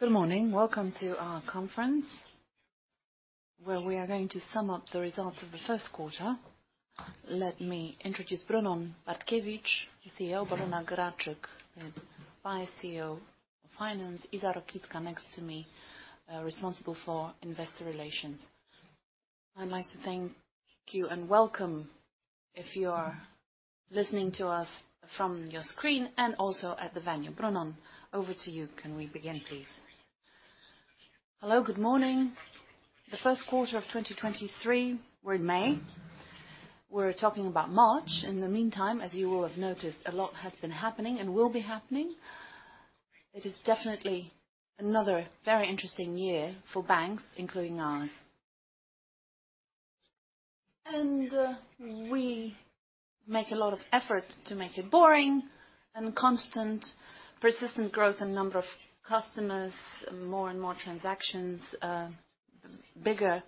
Good morning. Welcome to our conference, where we are going to sum up the results of the first quarter. Let me introduce Brunon Bartkiewicz, CEO. Bożena Graczyk, Vice CEO of Finance. Iza Rokicka, next to me, responsible for investor relations. I'd like to thank you, and welcome if you are listening to us from your screen and also at the venue. Brunon, over to you. Can we begin, please? Hello, good morning. The Q1 of 2023. We're in May. We're talking about March. In the meantime, as you will have noticed, a lot has been happening and will be happening. It is definitely another very interesting year for banks, including ours. We make a lot of effort to make it boring and constant, persistent growth in number of customers, more and more transactions, bigger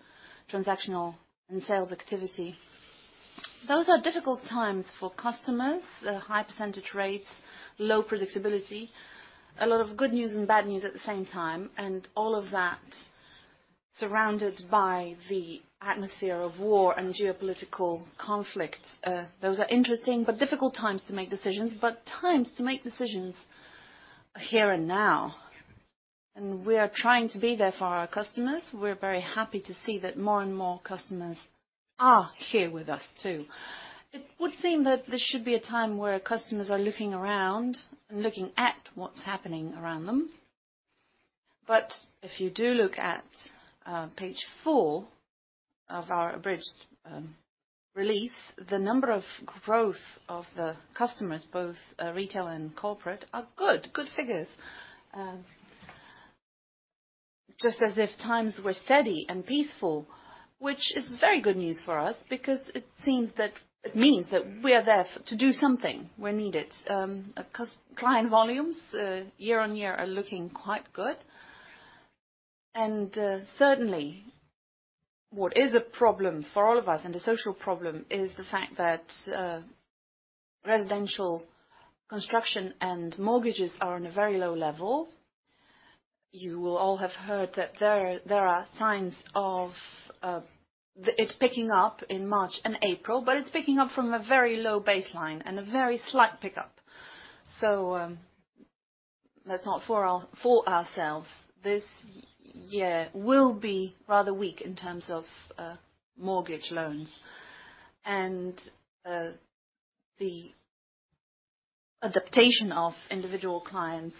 transactional and sales activity. Those are difficult times for customers. The high percentage rates, low predictability, a lot of good news and bad news at the same time, and all of that surrounded by the atmosphere of war and geopolitical conflict. Those are interesting but difficult times to make decisions, but times to make decisions here and now. We are trying to be there for our customers. We're very happy to see that more and more customers are here with us too. It would seem that this should be a time where customers are looking around, looking at what's happening around them. If you do look at page four of our abridged release, the number of growth of the customers, both retail and corporate, are good. Good figures, just as if times were steady and peaceful, which is very good news for us because it means that we are there to do something. We're needed. Client volumes, year-over-year are looking quite good. Certainly what is a problem for all of us and a social problem is the fact that residential construction and mortgages are on a very low level. You will all have heard that there are signs of it picking up in March and April, it's picking up from a very low baseline and a very slight pickup. Let's not fool ourselves. This year will be rather weak in terms of mortgage loans and the adaptation of individual clients,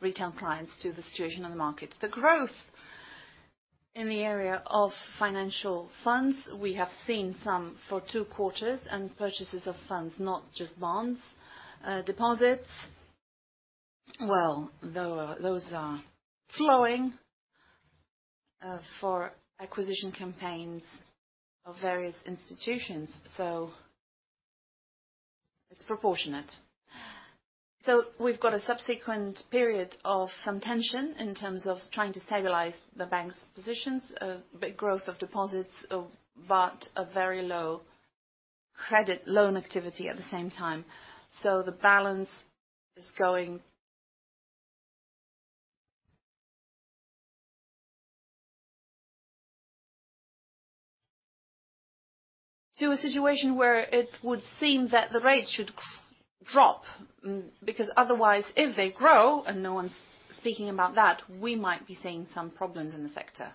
retail clients to the situation on the market. The growth in the area of financial funds, we have seen some for Q2 and purchases of funds, not just bonds, deposits. Those are flowing for acquisition campaigns of various institutions, it's proportionate. We've got a subsequent period of some tension in terms of trying to stabilize the bank's positions. A big growth of deposits, a very low credit loan activity at the same time. The balance is going to a situation where it would seem that the rates should drop, because otherwise, if they grow, and no one's speaking about that, we might be seeing some problems in the sector.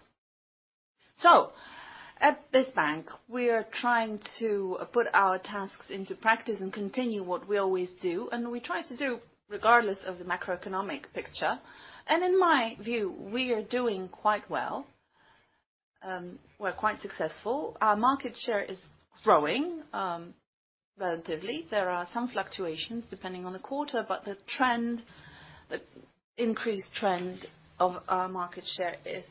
At this bank, we are trying to put our tasks into practice and continue what we always do and we try to do regardless of the macroeconomic picture. In my view, we are doing quite well. We're quite successful. Our market share is growing, relatively. There are some fluctuations depending on the quarter, but the trend, the increased trend of our market share is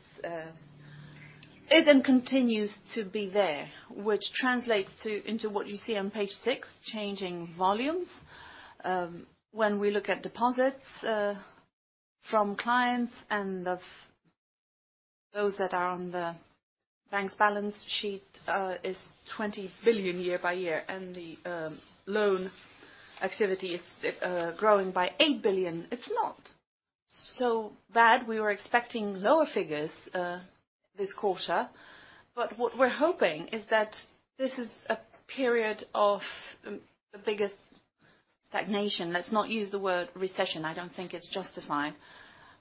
and continues to be there, which translates into what you see on page six, changing volumes. When we look at deposits, from clients and of those that are on the bank's balance sheet, is 20 billion year-over-year, and the loan activity is growing by 8 billion. It's not so bad. We were expecting lower figures, this quarter. What we're hoping is that this is a period of the biggest stagnation. Let's not use the word recession. I don't think it's justified,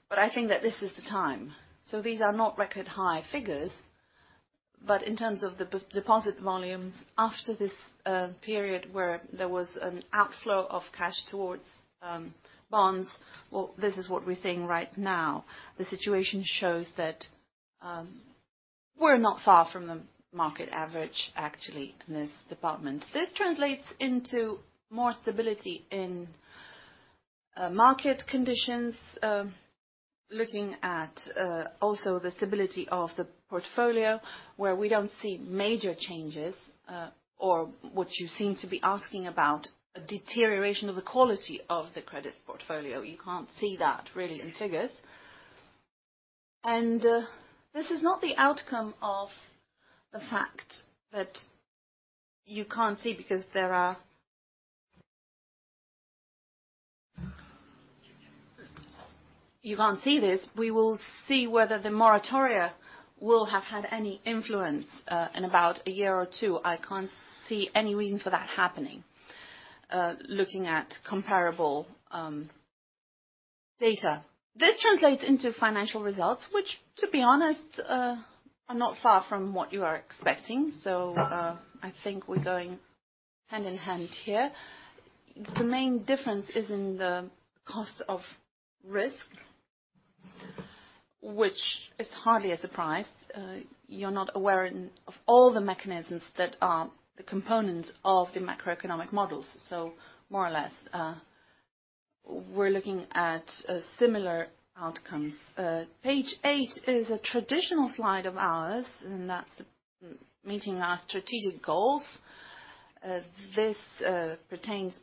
but I think that this is the time. These are not record high figures, but in terms of the deposit volumes after this period where there was an outflow of cash towards bonds, well, this is what we're seeing right now. The situation shows that, we're not far from the market average, actually, in this department. This translates into more stability in market conditions, looking at also the stability of the portfolio, where we don't see major changes or what you seem to be asking about, a deterioration of the quality of the credit portfolio. You can't see that really in figures. This is not the outcome of the fact that you can't see because you can't see this. We will see whether the moratoria will have had any influence in about a year or two. I can't see any reason for that happening looking at comparable data. This translates into financial results, which to be honest, are not far from what you are expecting. I think we're going hand-in-hand here. The main difference is in the cost of risk, which is hardly a surprise. You're not aware of all the mechanisms that are the components of the macroeconomic models. More or less, we're looking at similar outcomes. Page eight is a traditional slide of ours, and that's meeting our strategic goals. This pertains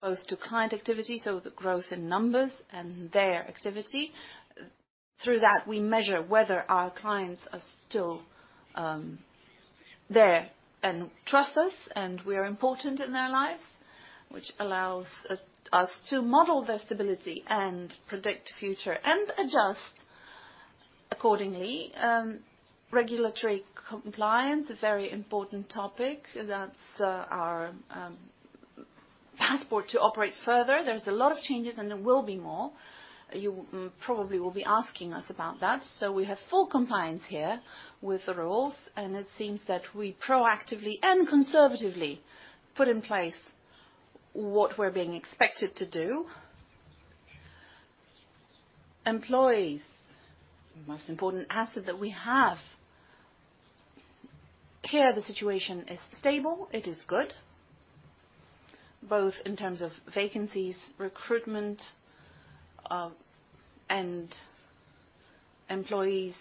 both to client activity, so the growth in numbers and their activity. Through that, we measure whether our clients are still there and trust us, and we are important in their lives, which allows us to model their stability and predict future and adjust accordingly. Regulatory compliance, a very important topic. That's our passport to operate further. There's a lot of changes, and there will be more. You probably will be asking us about that. We have full compliance here with the rules, and it seems that we proactively and conservatively put in place what we're being expected to do. Employees, the most important asset that we have. Here, the situation is stable. It is good, both in terms of vacancies, recruitment, and employees'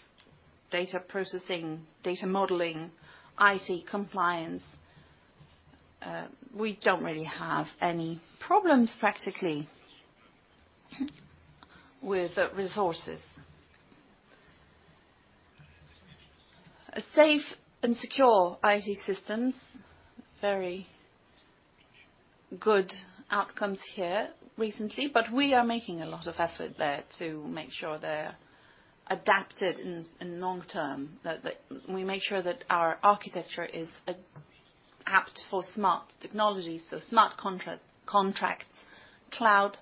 data processing, data modeling, IT compliance. We don't really have any problems practically with resources. Safe and secure IT systems. Very good outcomes here recently, but we are making a lot of effort there to make sure they're adapted in long term. That we make sure that our architecture is apt for smart technologies, so smart contracts, cloud,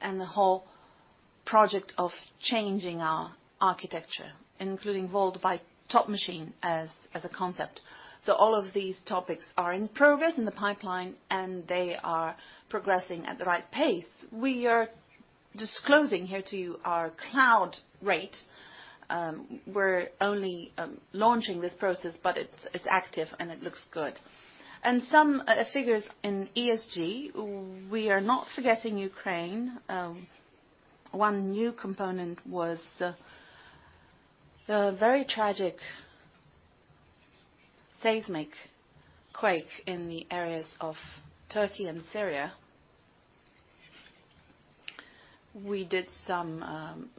and the whole project of changing our architecture, including Vault by Thought Machine as a concept. All of these topics are in progress in the pipeline, and they are progressing at the right pace. We are disclosing here to you our cloud rate. We're only launching this process, but it's active and it looks good. Some figures in ESG. We are not forgetting Ukraine. One new component was the very tragic seismic quake in the areas of Turkey and Syria. We did some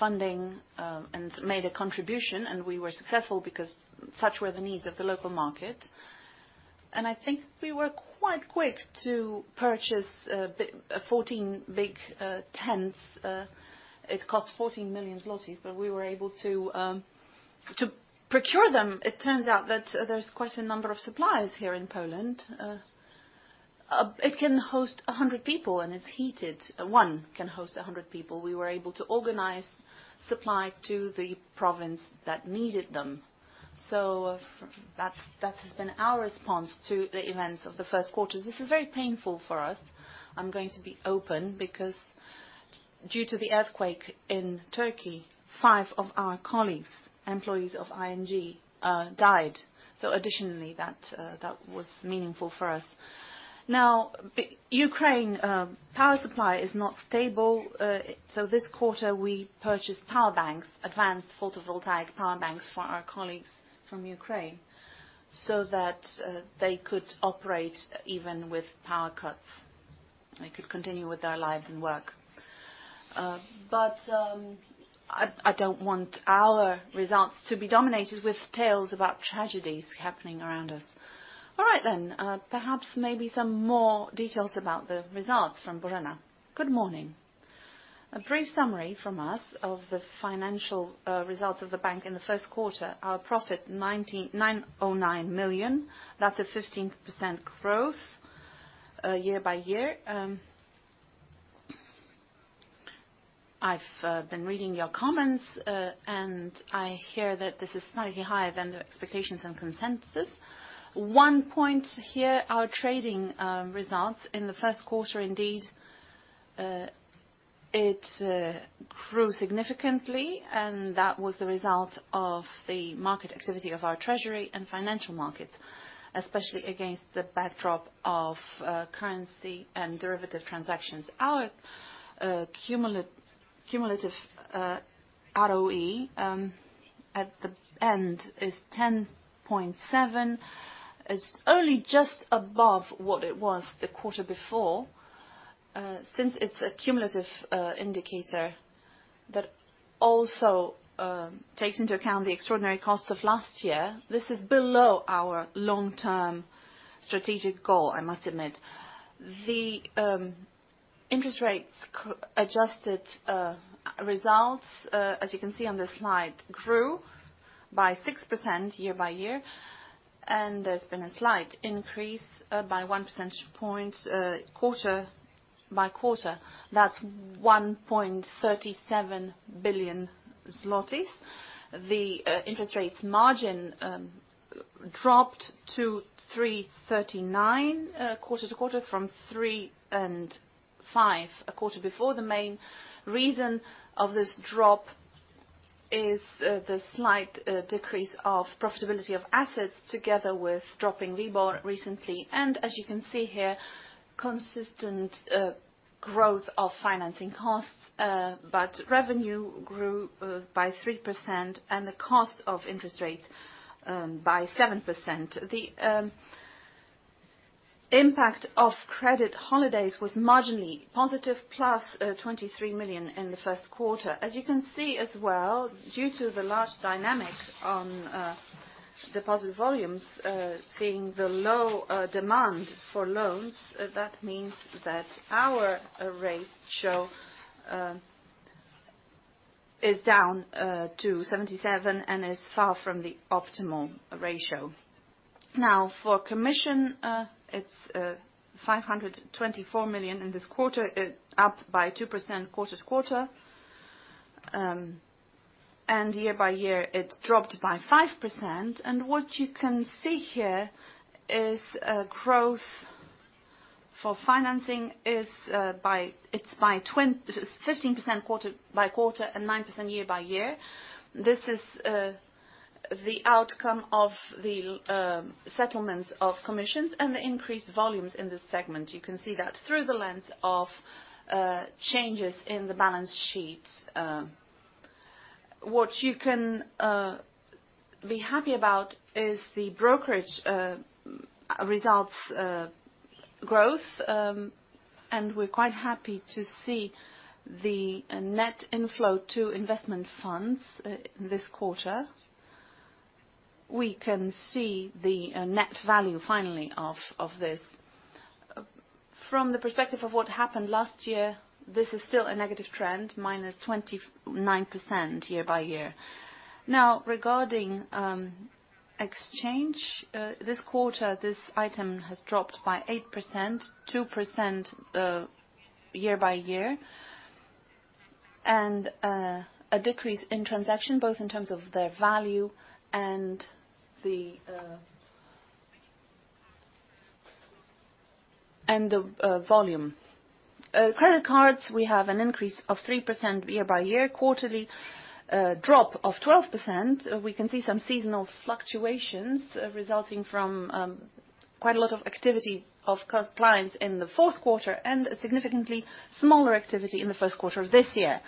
funding and made a contribution, and we were successful because such were the needs of the local market. I think we were quite quick to purchase 14 big tents. It cost 14 million zlotys, but we were able to procure them. It turns out that there's quite a number of suppliers here in Poland. It can host 100 people, and it's heated. One can host 100 people. We were able to organize supply to the province that needed them. That's, that has been our response to the events of the first quarter. This is very painful for us. I'm going to be open because due to the earthquake in Turkey, five of our colleagues, employees of ING, died. Additionally, that was meaningful for us. Ukraine, power supply is not stable. This quarter, we purchased power banks, advanced photovoltaic power banks for our colleagues from Ukraine so that they could operate even with power cuts. They could continue with their lives and work. I don't want our results to be dominated with tales about tragedies happening around us. Perhaps maybe some more details about the results from Bożena. Good morning. A brief summary from us of the financial results of the bank in the first quarter. Our profit 909 million. That's a 15% growth year-by-year. I've been reading your comments, and I hear that this is slightly higher than the expectations and consensus. One point here, our trading results in the first quarter, indeed, it grew significantly, and that was the result of the market activity of our treasury and financial markets, especially against the backdrop of currency and derivative transactions. Our cumulative ROE at the end is 10.7. It's only just above what it was the quarter before. Since it's a cumulative indicator that also takes into account the extraordinary costs of last year. This is below our long-term strategic goal, I must admit. The interest rates adjusted results, as you can see on this slide, grew by 6% year-over-year. There's been a slight increase by one percentage point quarter-over-quarter. That's 1.37 billion zlotys. The interest rates margin dropped to 3.39% quarter-over-quarter from 3.05% a quarter before. The main reason of this drop is the slight decrease of profitability of assets together with dropping LIBOR recently. As you can see here, consistent growth of financing costs, but revenue grew by 3% and the cost of interest rates by 7%. The impact of credit holidays was marginally positive plus 23 million in the first quarter. As you can see as well, due to the large dynamics on deposit volumes, seeing the low demand for loans, that means that our ratio is down to 77 and is far from the optimal ratio. Now, for commission, it's 524 million in this quarter, it up by 2% quarter-over-quarter. Year-over-year, it dropped by 5%. What you can see here is a growth for financing is it's 15% quarter-over-quarter and 9% year-over-year. This is the outcome of the settlements of commissions and the increased volumes in this segment. You can see that through the lens of changes in the balance sheet. What you can be happy about is the brokerage results growth, and we're quite happy to see the net inflow to investment funds this quarter. We can see the net value finally of this. From the perspective of what happened last year, this is still a negative trend, minus 29% year-by-year. Regarding exchange this quarter, this item has dropped by 8%, 2% year-by-year. A decrease in transaction, both in terms of their value and the volume. Credit cards, we have an increase of 3% year-by-year, quarterly drop of 12%. We can see some seasonal fluctuations resulting from quite a lot of activity of clients in the Q4 and a significantly smaller activity in the first quarter of this year.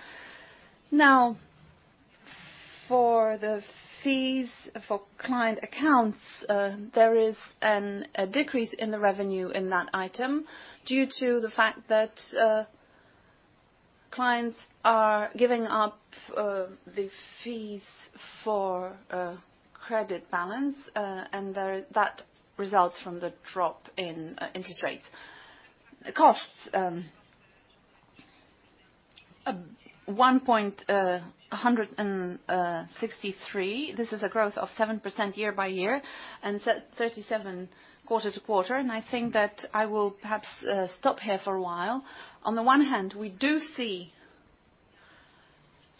For the fees for client accounts, there is a decrease in the revenue in that item due to the fact that clients are giving up the fees for a credit balance, that results from the drop in interest rates. Costs, 163 million. This is a growth of 7% year-over-year, and 37% quarter-over-quarter. I think that I will perhaps stop here for a while. On the one hand, we do see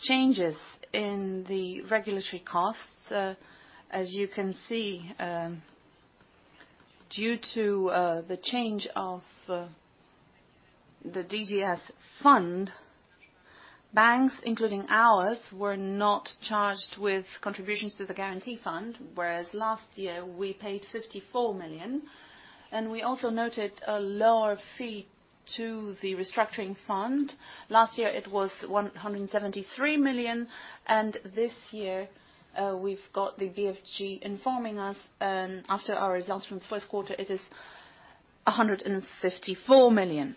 changes in the regulatory costs. As you can see, due to the change of the DDF's fund, banks, including ours, were not charged with contributions to the Bank Guarantee Fund, whereas last year, we paid 54 million. We also noted a lower fee to the restructuring fund. Last year, it was 173 million. This year, we've got the BFG informing us, after our results from the first quarter, it is 154 million,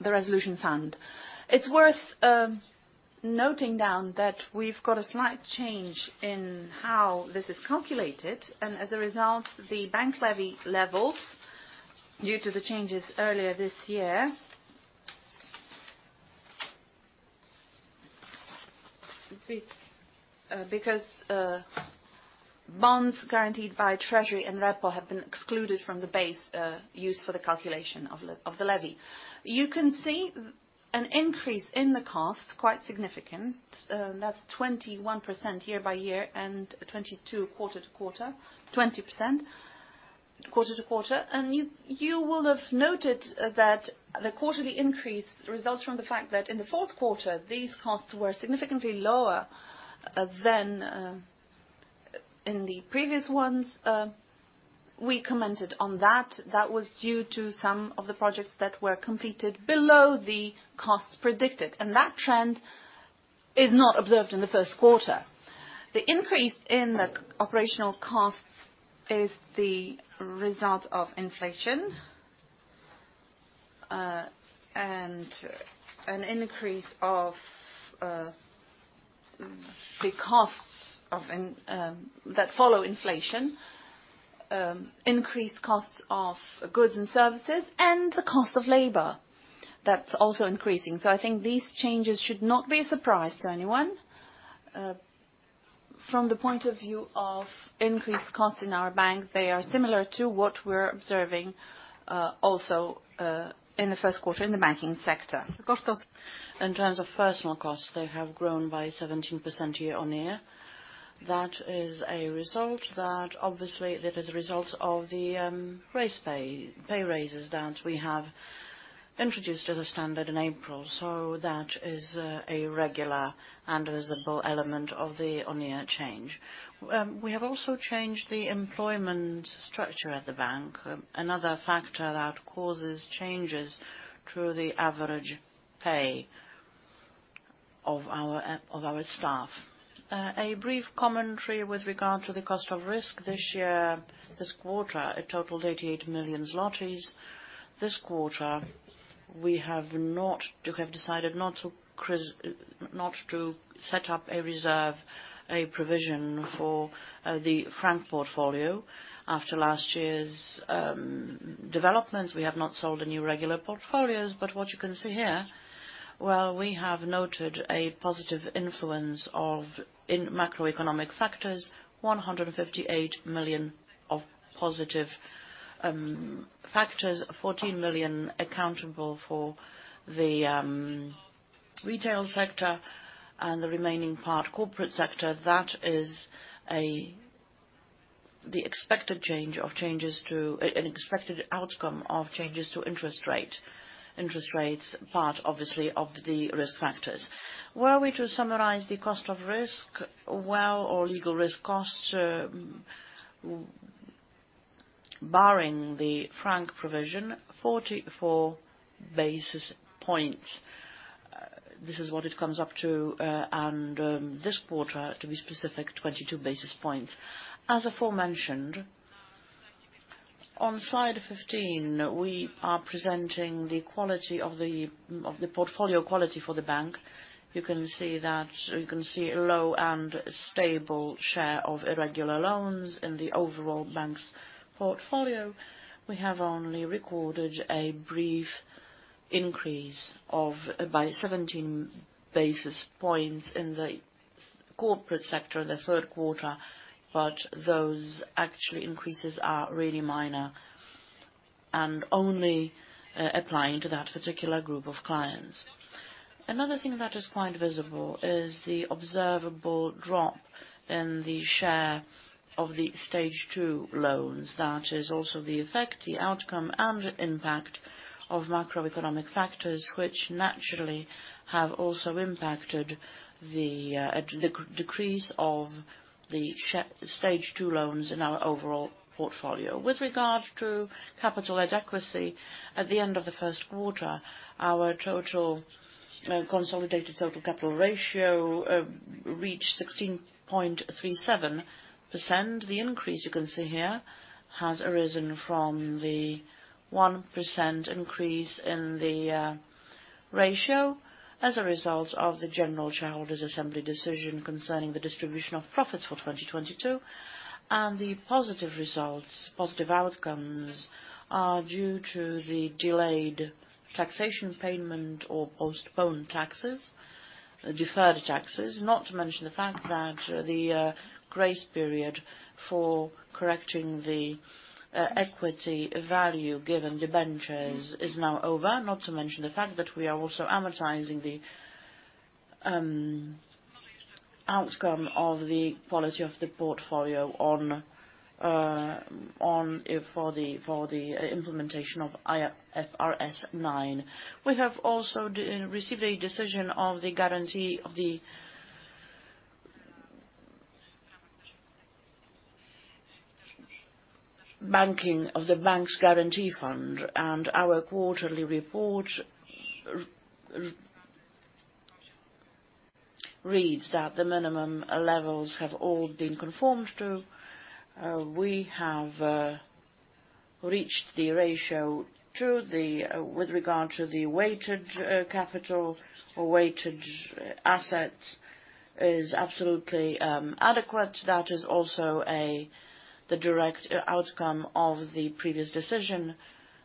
the Resolution Fund. It's worth noting down that we've got a slight change in how this is calculated. As a result, the bank levy levels, due to the changes earlier this year, let's see, because bonds guaranteed by Treasury and Repo have been excluded from the base used for the calculation of the levy. You can see an increase in the costs, quite significant. That's 21% year-over-year and 22% quarter-over-quarter, 20% quarter-over-quarter. You, you will have noted that the quarterly increase results from the fact that in the fourth quarter, these costs were significantly lower than in the previous ones. We commented on that. That was due to some of the projects that were completed below the costs predicted. That trend is not observed in the first quarter. The increase in the operational costs is the result of inflation. An increase of the costs of in that follow inflation, increased costs of goods and services and the cost of labor, that's also increasing. I think these changes should not be a surprise to anyone. From the point of view of increased costs in our bank, they are similar to what we're observing also in the first quarter in the banking sector. The costs in terms of personal costs, they have grown by 17% year-on-year. That is a result that obviously that is a result of the pay raises that we have introduced as a standard in April. That is a regular and visible element of the on-year change. We have also changed the employment structure at the bank, another factor that causes changes through the average pay of our of our staff. A brief commentary with regard to the cost of risk this year, this quarter, it totaled 88 million zlotys. This quarter, we have decided not to set up a reserve, a provision for the Franc portfolio. After last year's developments, we have not sold any regular portfolios, but what you can see here, we have noted a positive influence of in macroeconomic factors, 158 million of positive factors, 14 million accountable for the retail sector and the remaining part corporate sector, that is an expected outcome of changes to interest rates, part obviously of the risk factors. Were we to summarize the cost of risk, well, our legal risk costs, barring the franc provision, 44 basis points. This is what it comes up to. This quarter, to be specific, 22 basis points. As aforementioned, on slide 15, we are presenting the quality of the portfolio quality for the bank. You can see that, you can see a low and stable share of irregular loans in the overall bank's portfolio. We have only recorded a brief increase of by 17 basis points in the corporate sector, the third quarter, but those actually increases are really minor and only, applying to that particular group of clients. Another thing that is quite visible is the observable drop in the share of the stage 2 loans. That is also the effect, the outcome and impact of macroeconomic factors, which naturally have also impacted the decrease of the stage 2 loans in our overall portfolio. With regard to capital adequacy, at the end of the first quarter, our total consolidated total capital ratio reached 16.37%. The increase you can see here has arisen from the 1% increase in the ratio as a result of the general shareholders assembly decision concerning the distribution of profits for 2022. The positive results, positive outcomes are due to the delayed taxation payment or postponed taxes, deferred taxes. Not to mention the fact that the grace period for correcting the equity value given debentures is now over. Not to mention the fact that we are also advertising the outcome of the quality of the portfolio on if for the implementation of IFRS 9. We have also received a decision of the guarantee of the Bank Guarantee Fund, our quarterly report reads that the minimum levels have all been conformed to. We have reached the ratio to the with regard to the weighted capital or weighted assets is absolutely adequate. That is also the direct outcome of the previous decision,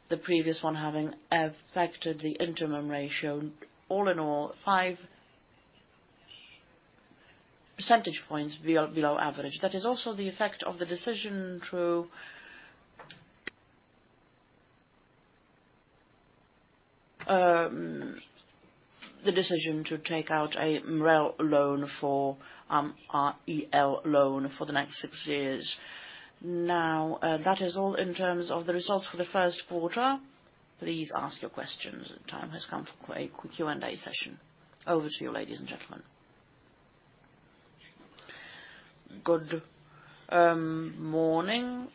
the previous one having affected the interim ratio, all in all, 5 percentage points below average. That is also the effect of the decision through the decision to take out a MREL loan for our EL loan for the next six years. That is all in terms of the results for the first quarter. Please ask your questions. Time has come for a quick Q&A session. Over to you, ladies and gentlemen. Good morning.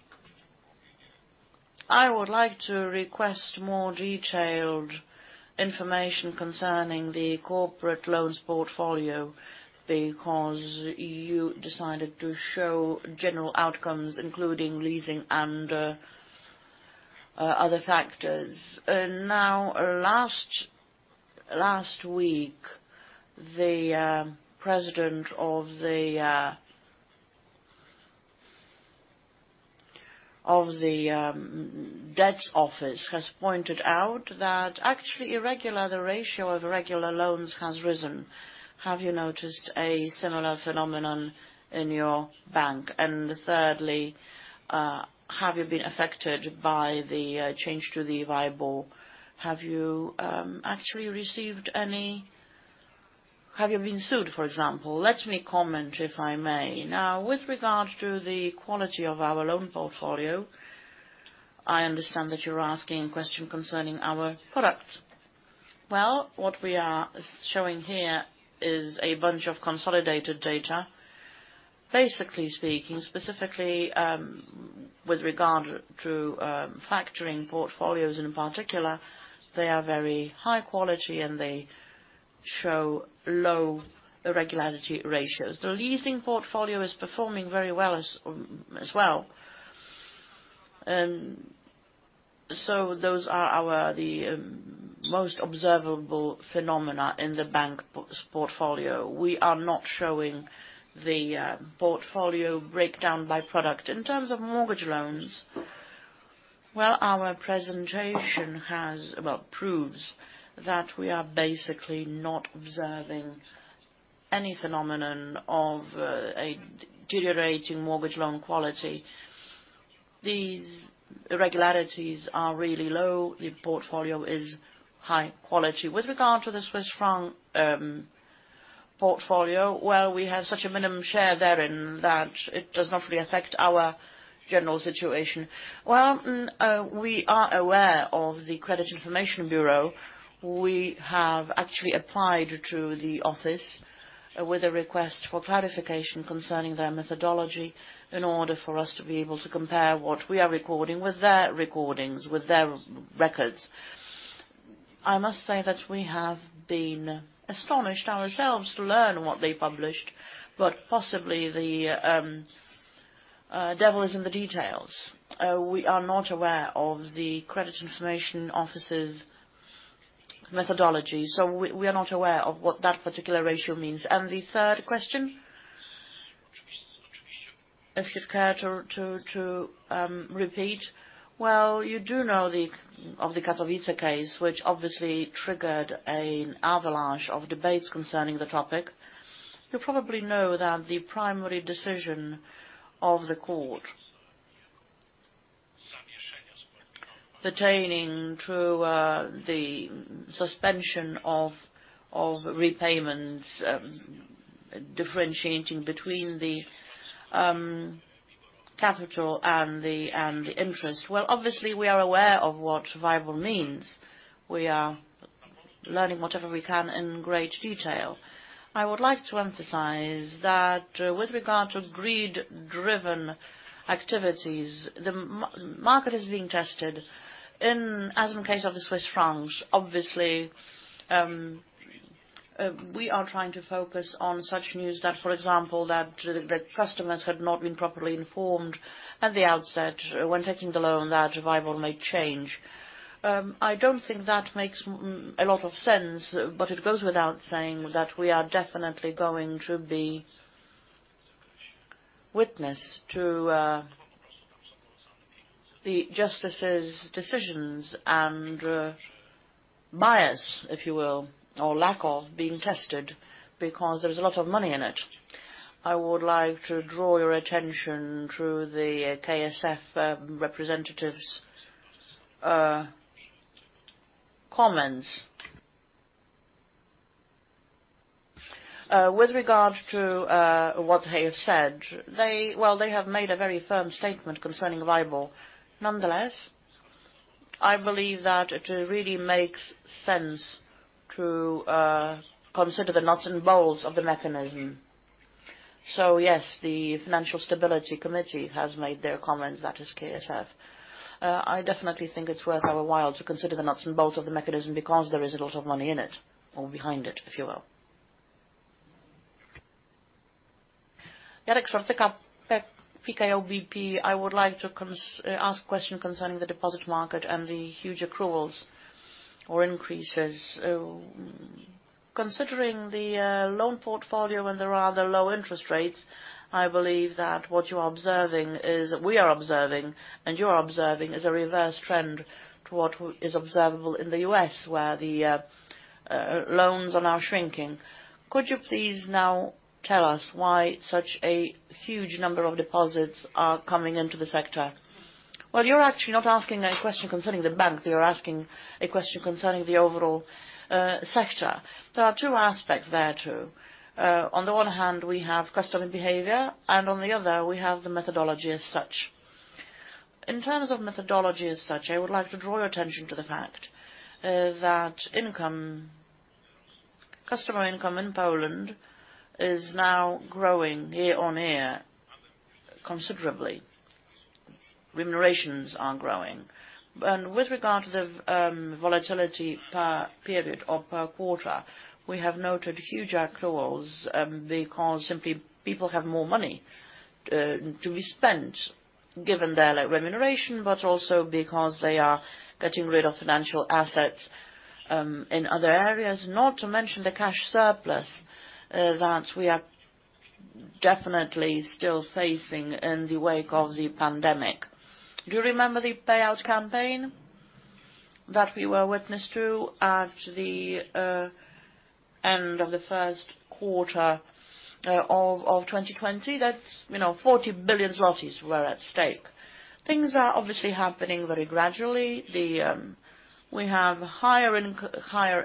I would like to request more detailed information concerning the corporate loans portfolio, because you decided to show general outcomes including leasing and other factors. Last week, the president of the debts office has pointed out that actually irregular, the ratio of irregular loans has risen. Have you noticed a similar phenomenon in your bank? Thirdly, have you been affected by the change to the WIBOR? Have you actually received any? Have you been sued, for example? Let me comment if I may. With regard to the quality of our loan portfolio, I understand that you're asking a question concerning our products. Well, what we are showing here is a bunch of consolidated data. Basically speaking, specifically, with regard to factoring portfolios in particular, they are very high quality, and they show low irregularity ratios. The leasing portfolio is performing very well as well. Those are the most observable phenomena in the bank portfolio. We are not showing the portfolio breakdown by product. In terms of mortgage loans, well, our presentation proves that we are basically not observing any phenomenon of a deteriorating mortgage loan quality. These irregularities are really low. The portfolio is high quality. With regard to the Swiss franc portfolio, well, we have such a minimum share therein that it does not really affect our general situation. Well, we are aware of the Credit Information Bureau. We have actually applied to the office with a request for clarification concerning their methodology in order for us to be able to compare what we are recording with their recordings, with their records. I must say that we have been astonished ourselves to learn what they published. Possibly the devil is in the details. We are not aware of the Credit Information Office's methodology, so we are not aware of what that particular ratio means. The third question? If you'd care to repeat. Well, you do know of the Katowice case, which obviously triggered an avalanche of debates concerning the topic. You probably know that the primary decision of the court pertaining to the suspension of repayments, differentiating between the capital and the interest. Well, obviously, we are aware of what WIBOR means. We are learning whatever we can in great detail. I would like to emphasize that with regard to greed-driven activities, the market is being tested in, as in case of the Swiss francs, obviously, we are trying to focus on such news that, for example, that the customers had not been properly informed at the outset when taking the loan that WIBOR may change. I don't think that makes a lot of sense. It goes without saying that we are definitely going to be witness to the justices' decisions and bias, if you will, or lack of being tested because there's a lot of money in it. I would like to draw your attention to the KSF representatives' comments. With regard to what they have said, they, well, they have made a very firm statement concerning WIBOR. I believe that it really makes sense to consider the nuts and bolts of the mechanism. Yes, the Financial Stability Committee has made their comments, that is KSF. I definitely think it's worth our while to consider the nuts and bolts of the mechanism because there is a lot of money in it or behind it, if you will. Jarek Szortek, Pekao BP. I would like to ask question concerning the deposit market and the huge accruals or increases. Considering the loan portfolio and the rather low interest rates, I believe that what you are observing is we are observing, and you are observing, is a reverse trend to what is observable in the U.S., where the loans are now shrinking. Could you please now tell us why such a huge number of deposits are coming into the sector? Well, you're actually not asking a question concerning the bank. You're asking a question concerning the overall sector. There are two aspects there, too. On the one hand, we have customer behavior, and on the other, we have the methodology as such. In terms of methodology as such, I would like to draw your attention to the fact that income, customer income in Poland is now growing year-on-year considerably. Remunerations are growing. With regard to the volatility per period or per quarter, we have noted huge accruals because simply people have more money to be spent. Given their remuneration, but also because they are getting rid of financial assets in other areas, not to mention the cash surplus that we are definitely still facing in the wake of the pandemic. Do you remember the payout campaign that we were witness to at the end of the first quarter of 2020? That's, you know, 40 billion zlotys were at stake. Things are obviously happening very gradually. The we have higher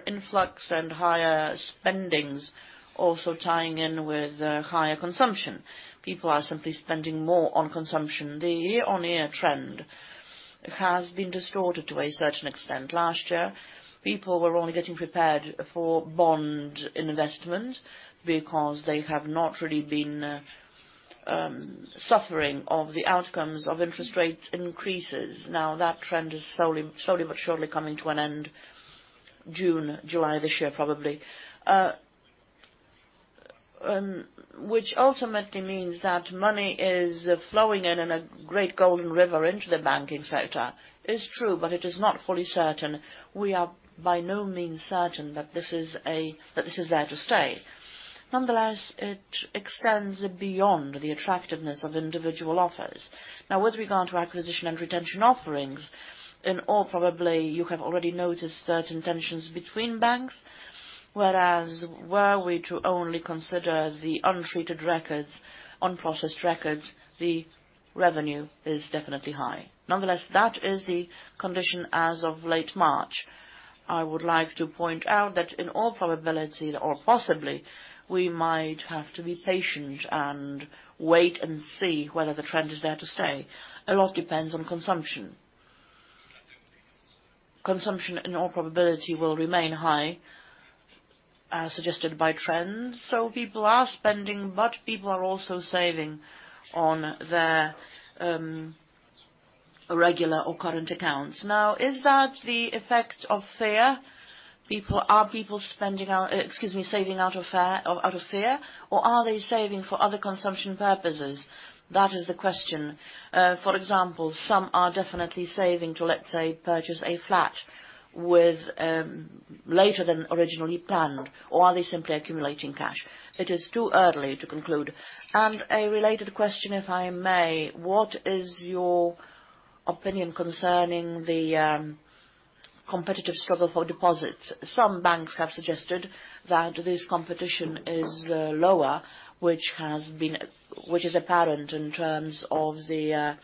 influx and higher spendings also tying in with higher consumption. People are simply spending more on consumption. The year-on-year trend has been distorted to a certain extent. Last year, people were only getting prepared for bond investments because they have not really been suffering of the outcomes of interest rate increases. That trend is slowly but surely coming to an end June, July this year, probably. Which ultimately means that money is flowing in in a great golden river into the banking sector is true, but it is not fully certain. We are by no means certain that this is there to stay. Nonetheless, it extends beyond the attractiveness of individual offers. With regard to acquisition and retention offerings, in all probably you have already noticed certain tensions between banks. Were we to only consider the untreated records, unprocessed records, the revenue is definitely high. Nonetheless, that is the condition as of late March. I would like to point out that in all probability or possibly, we might have to be patient and wait and see whether the trend is there to stay. A lot depends on consumption. Consumption in all probability will remain high, suggested by trends. People are spending, but people are also saving on their regular or current accounts. Now, is that the effect of fear? Are people spending out, excuse me, saving out of fear, or out of fear? Are they saving for other consumption purposes? That is the question. For example, some are definitely saving to, let's say, purchase a flat with later than originally planned, or are they simply accumulating cash? It is too early to conclude. A related question, if I may. What is your opinion concerning the competitive struggle for deposits? Some banks have suggested that this competition is lower, which is apparent in terms of the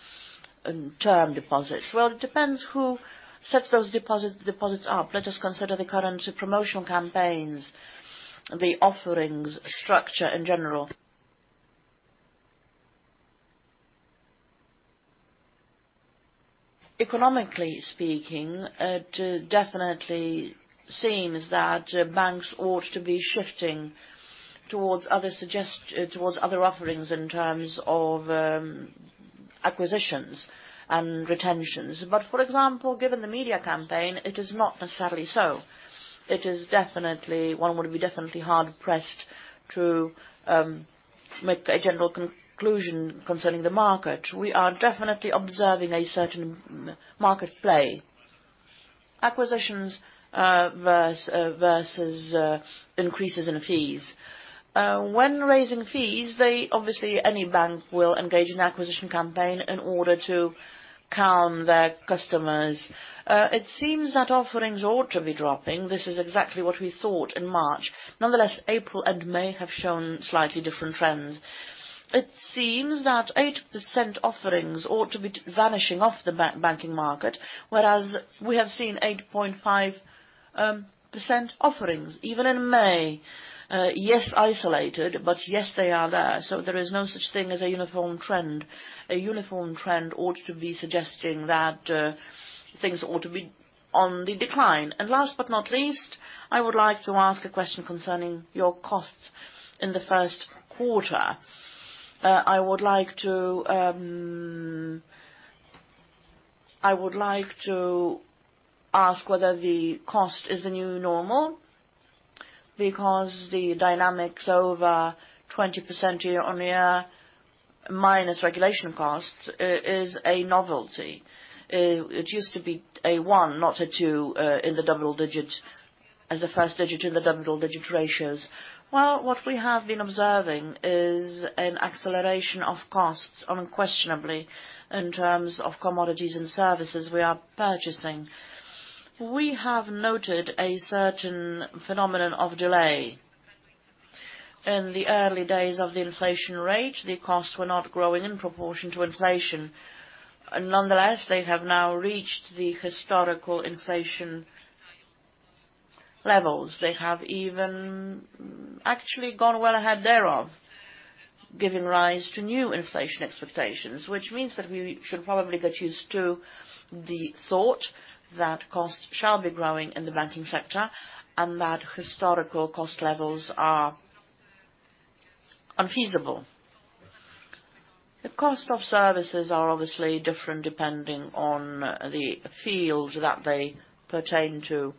term deposits. Well, it depends who sets those deposits up. Let us consider the current promotional campaigns, the offerings structure in general. Economically speaking, definitely seems that banks ought to be shifting towards other offerings in terms of acquisitions and retentions. For example, given the media campaign, it is not necessarily so. It is definitely, one would be definitely hard pressed to make a general conclusion concerning the market. We are definitely observing a certain market play. Acquisitions versus increases in fees. When raising fees, they obviously, any bank will engage in acquisition campaign in order to calm their customers. It seems that offerings ought to be dropping. This is exactly what we thought in March. Nonetheless, April and May have shown slightly different trends. It seems that 8% offerings ought to be vanishing off the banking market, whereas we have seen 8.5% offerings even in May. Yes, isolated, but yes, they are there. There is no such thing as a uniform trend. A uniform trend ought to be suggesting that things ought to be on the decline. Last but not least, I would like to ask a question concerning your costs in the first quarter. I would like to ask whether the cost is the new normal because the dynamics over 20% year-on-year minus regulation costs, is a novelty. It used to be a one, not a two, in the double digit, as the first digit in the double-digit ratios. What we have been observing is an acceleration of costs unquestionably in terms of commodities and services we are purchasing. We have noted a certain phenomenon of delay. In the early days of the inflation rate, the costs were not growing in proportion to inflation. Nonetheless, they have now reached the historical inflation levels. They have even actually gone well ahead thereof, giving rise to new inflation expectations, which means that we should probably get used to the thought that costs shall be growing in the banking sector, and that historical cost levels are unfeasible. The cost of services are obviously different depending on the field that they pertain to.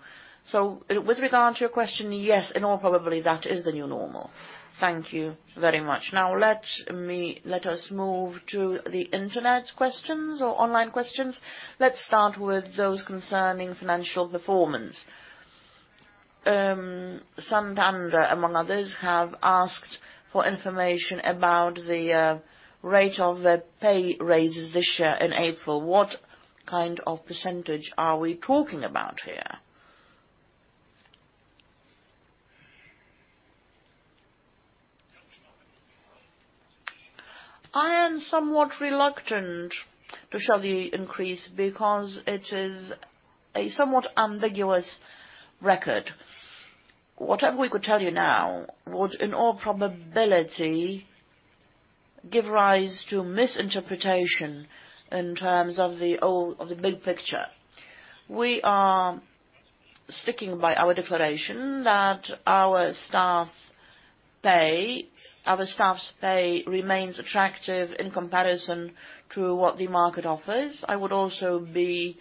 With regard to your question, yes, in all probability, that is the new normal. Thank you very much. Now let us move to the Internet questions or online questions. Let's start with those concerning financial performance. Santander, among others, have asked for information about the rate of the pay raises this year in April. What kind of percentage are we talking about here? I am somewhat reluctant to show the increase because it is a somewhat ambiguous record. Whatever we could tell you now would, in all probability, give rise to misinterpretation in terms of the of the big picture. We are sticking by our declaration that our staff's pay remains attractive in comparison to what the market offers. I would also be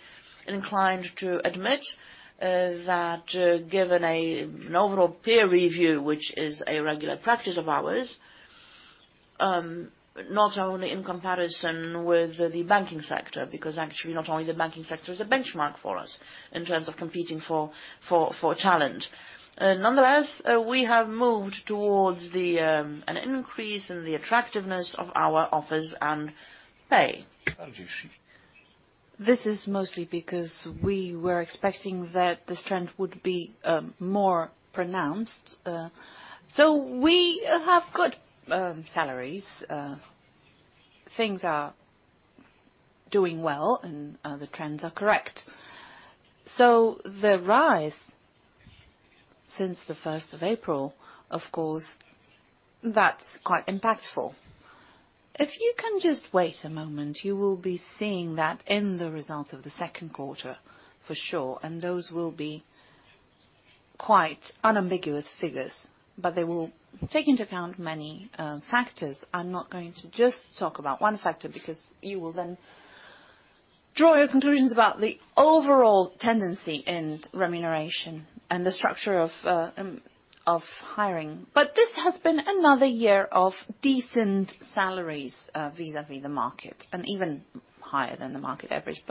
inclined to admit that, given a normal peer review, which is a regular practice of ours, not only in comparison with the banking sector, because actually not only the banking sector is a benchmark for us in terms of competing for talent. Nonetheless, we have moved towards an increase in the attractiveness of our offers and pay. This is mostly because we were expecting that this trend would be more pronounced. We have good salaries. Things are doing well, and the trends are correct. The rise since the first of April, of course, that's quite impactful. If you can just wait a moment, you will be seeing that in the results of the second quarter for sure, and those will be quite unambiguous figures, but they will take into account many factors. I'm not going to just talk about 1 factor, because you will then draw your conclusions about the overall tendency in remuneration and the structure of hiring. This has been another year of decent salaries, vis-à-vis the market, and even higher than the market average.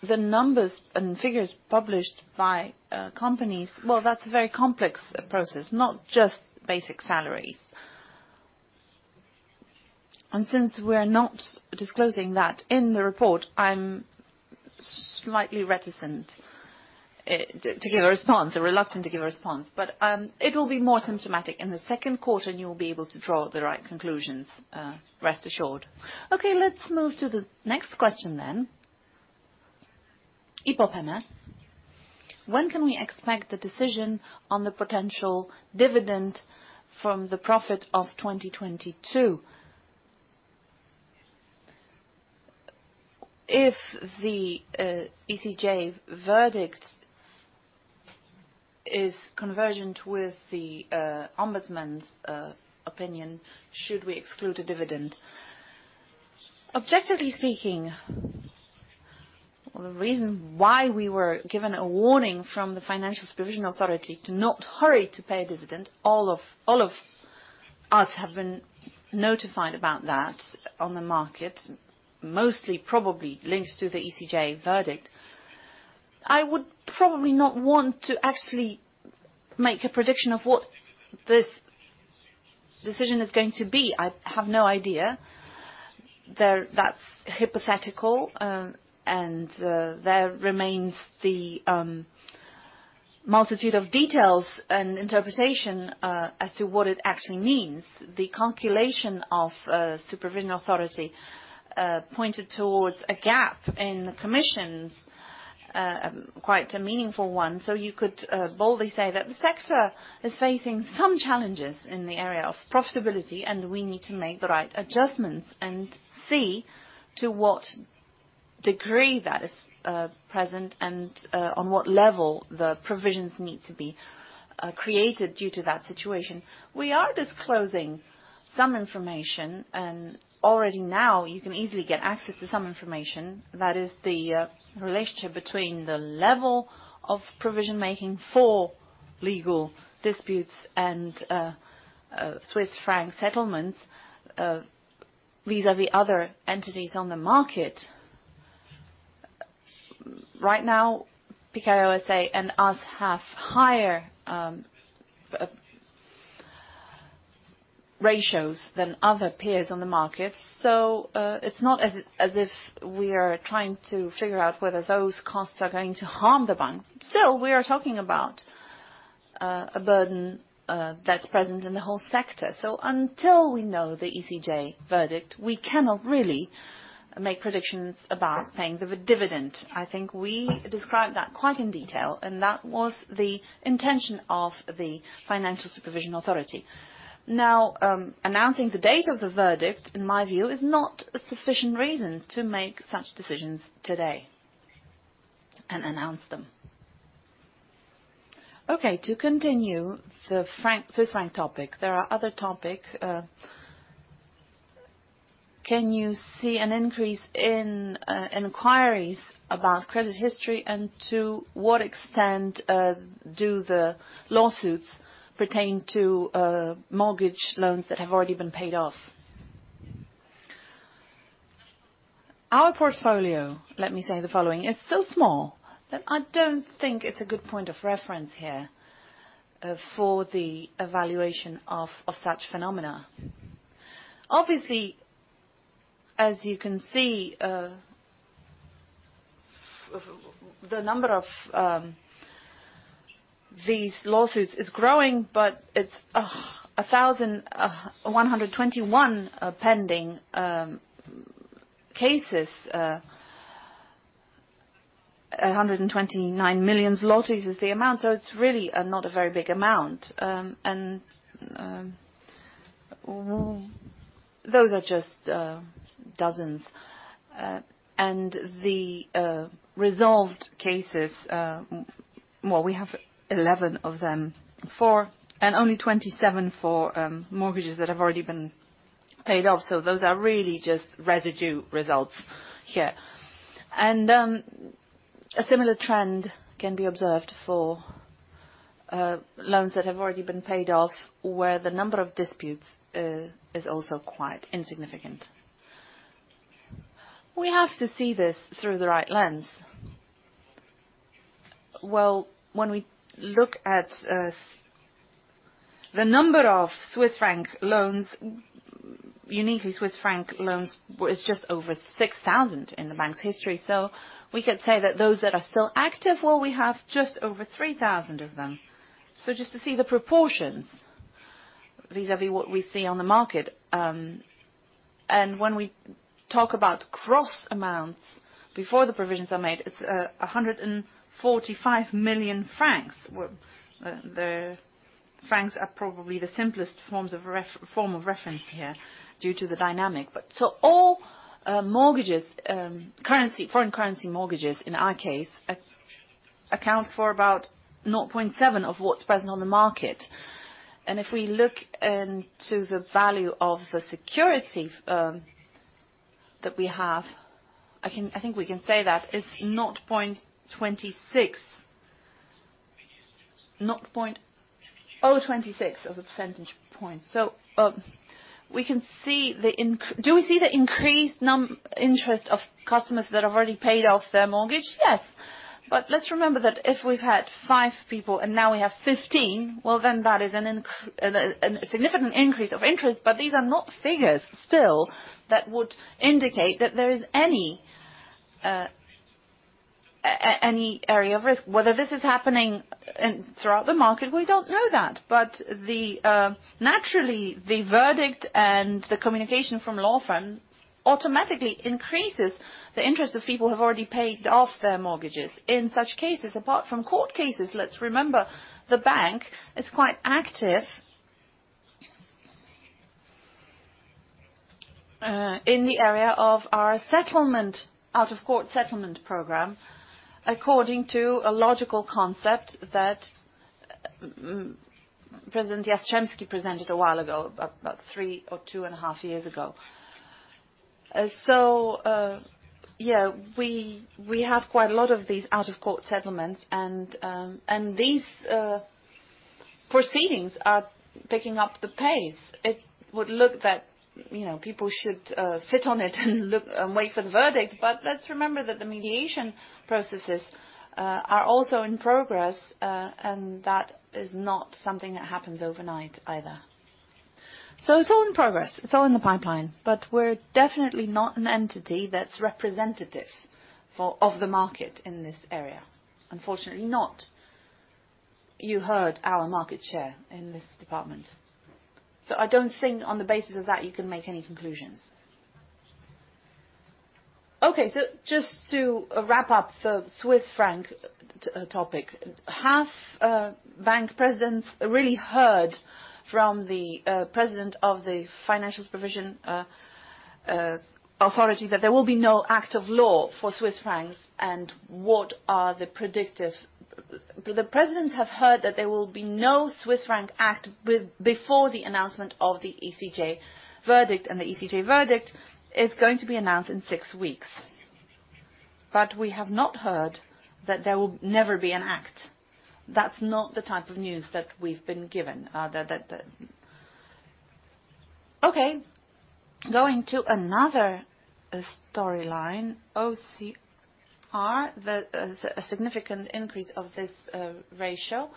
The numbers and figures published by companies, well, that's a very complex process, not just basic salaries. Since we're not disclosing that in the report, I'm slightly reticent to give a response, or reluctant to give a response. It will be more symptomatic in the Q2, and you will be able to draw the right conclusions, rest assured. Let's move to the next question then. HFPoMS, when can we expect the decision on the potential dividend from the profit of 2022? If the ECJ verdict is convergent with the Ombudsman's opinion, should we exclude a dividend? Objectively speaking, the reason why we were given a warning from the Financial Supervision Authority to not hurry to pay a dividend, all of, all of us have been notified about that on the market, mostly probably linked to the ECJ verdict. I would probably not want to actually make a prediction of what this decision is going to be. I have no idea. That's hypothetical, and there remains the multitude of details and interpretation as to what it actually means. The calculation of Supervision Authority pointed towards a gap in commissions, quite a meaningful one. You could boldly say that the sector is facing some challenges in the area of profitability, and we need to make the right adjustments and see to what degree that is present and on what level the provisions need to be created due to that situation. We are disclosing some information, and already now you can easily get access to some information. That is the relationship between the level of provision making for legal disputes and Swiss franc settlements vis-à-vis other entities on the market. Right now, Pekao S.A. and us have higher ratios than other peers on the market. It's not as if we are trying to figure out whether those costs are going to harm the bank. Still, we are talking about a burden that's present in the whole sector. Until we know the ECJ verdict, we cannot really make predictions about paying the dividend. I think we described that quite in detail, and that was the intention of the Financial Supervision Authority. Announcing the date of the verdict, in my view, is not a sufficient reason to make such decisions today and announce them. To continue the franc, Swiss franc topic, there are other topic. Can you see an increase in inquiries about credit history? To what extent do the lawsuits pertain to mortgage loans that have already been paid off? Our portfolio, let me say the following, is so small that I don't think it's a good point of reference here for the evaluation of such phenomena. Obviously, as you can see, the number of these lawsuits is growing, it's 1,121 pending cases. 129 million zlotys is the amount, it's really not a very big amount. Those are just dozens. The resolved cases, well, we have 11 of them, and only 27 for mortgages that have already been paid off. Those are really just residue results here. A similar trend can be observed for loans that have already been paid off, where the number of disputes is also quite insignificant. We have to see this through the right lens. Well, when we look at the number of Swiss franc loans, uniquely Swiss franc loans, it's just over 6,000 in the bank's history. We could say that those that are still active, we have just over 3,000 of them. Just to see the proportions vis-à-vis what we see on the market. When we talk about gross amounts before the provisions are made, it's 145 million francs. The francs are probably the simplest form of reference here due to the dynamic. All mortgages, currency, foreign currency mortgages, in our case, account for about 0.7 of what's present on the market. If we look into the value of the security that we have, I think we can say that it's 0.26. 0.026 as a percentage point. Do we see the increased interest of customers that have already paid off their mortgage? Yes. Let's remember that if we've had five people and now we have 15, well, then that is a significant increase of interest. These are not figures still that would indicate that there is any area of risk. Whether this is happening throughout the market, we don't know that. Naturally, the verdict and the communication from law firm automatically increases the interest of people who have already paid off their mortgages. In such cases, apart from court cases, let's remember the bank is quite active in the area of our settlement, out-of-court settlement program, according to a logical concept that President Jastrzębski presented a while ago, about three or two and a half years ago. Yeah, we have quite a lot of these out-of-court settlements, and these proceedings are picking up the pace. It would look that, you know, people should sit on it and look and wait for the verdict, but let's remember that the mediation processes are also in progress, and that is not something that happens overnight either. It's all in progress, it's all in the pipeline, but we're definitely not an entity that's representative for, of the market in this area. Unfortunately not. You heard our market share in this department. I don't think on the basis of that you can make any conclusions. Okay, just to wrap up the Swiss franc topic, have bank presidents really heard from the President of the Polish Financial Supervision Authority that there will be no act of law for Swiss francs, and what are the predictive. The presidents have heard that there will be no Swiss franc act before the announcement of the ECJ verdict, and the ECJ verdict is going to be announced in six weeks. We have not heard that there will never be an act. That's not the type of news that we've been given. Okay, going to another storyline, OCR, the a significant increase of this ratio.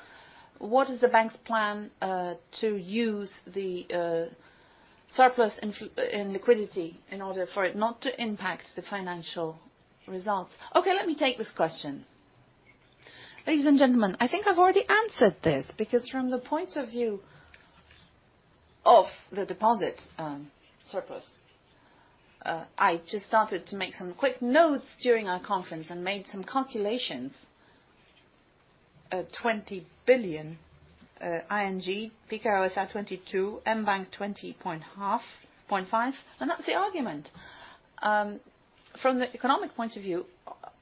What is the bank's plan to use the surplus in liquidity in order for it not to impact the financial results? Let me take this question. Ladies and gentlemen, I think I've already answered this, because from the point of view of the deposit surplus, I just started to make some quick notes during our conference and made some calculations. PLN 20 billion ING, PKO has had 22 billion, mBank 20.5 billion. That's the argument. From the economic point of view,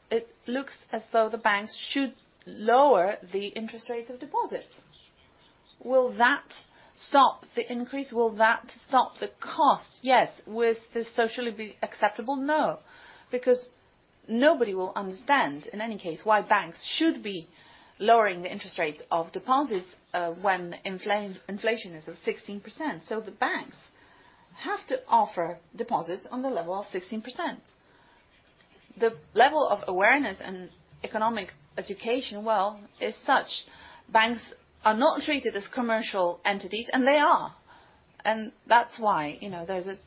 it looks as though the banks should lower the interest rates of deposits. Will that stop the increase? Will that stop the cost? Yes. Will this socially be acceptable? No, because nobody will understand in any case, why banks should be lowering the interest rates of deposits when inflation is at 16%. The banks have to offer deposits on the level of 16%. The level of awareness and economic education, well, is such, banks are not treated as commercial entities, and they are. That's why, you know, there's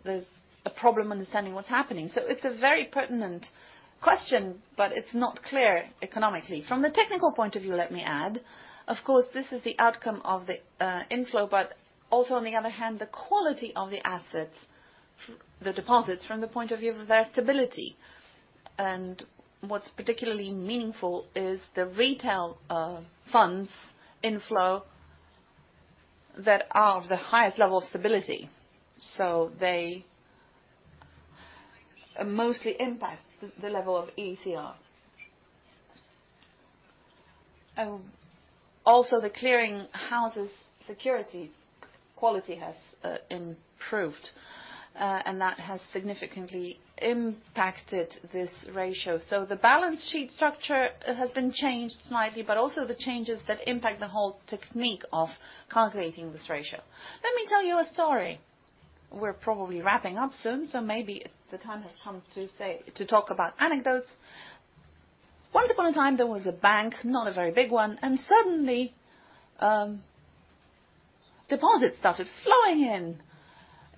a problem understanding what's happening. It's a very pertinent question, but it's not clear economically. From the technical point of view, let me add, of course, this is the outcome of the inflow, but also on the other hand, the quality of the assets, the deposits from the point of view of their stability. What's particularly meaningful is the retail funds inflow that are of the highest level of stability. They mostly impact the level of ECR. Also the clearing houses securities quality has improved, and that has significantly impacted this ratio. The balance sheet structure has been changed slightly, but also the changes that impact the whole technique of calculating this ratio. Let me tell you a story. We're probably wrapping up soon, so maybe the time has come to talk about anecdotes. Once upon a time, there was a bank, not a very big one, and suddenly, deposits started flowing in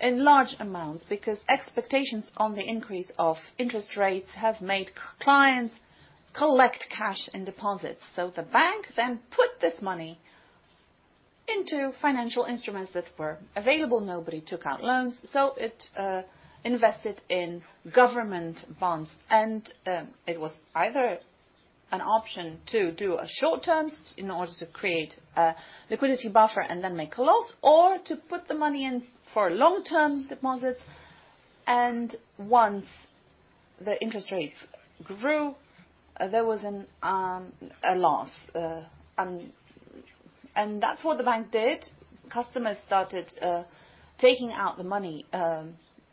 in large amounts because expectations on the increase of interest rates have made clients collect cash in deposits. The bank then put this money into financial instruments that were available. Nobody took out loans, so it invested in government bonds. It was either an option to do a short-term in order to create a liquidity buffer and then make a loss or to put the money in for long-term deposits. Once the interest rates grew, there was a loss. That's what the bank did. Customers started taking out the money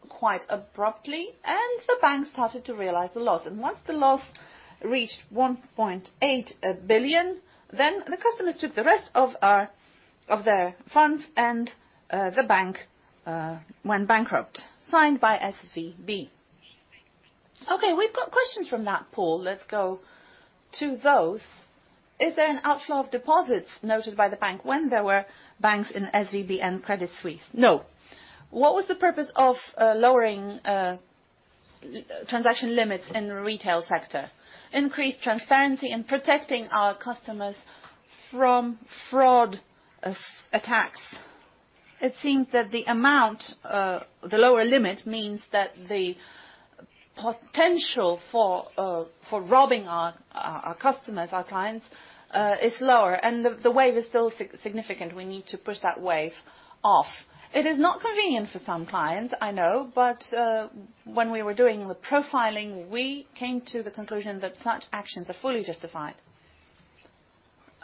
quite abruptly, the bank started to realize the loss. Once the loss reached 1.8 billion, the customers took the rest of their funds, the bank went bankrupt, signed by SVB. We've got questions from that poll. Let's go to those. Is there an outflow of deposits noticed by the bank when there were banks in SVB and Credit Suisse? No. What was the purpose of lowering transaction limits in the retail sector? Increased transparency and protecting our customers from fraud attacks. It seems that the amount, the lower limit means that the potential for robbing our customers, our clients is lower, and the wave is still significant. We need to push that wave off. It is not convenient for some clients, I know, but when we were doing the profiling, we came to the conclusion that such actions are fully justified.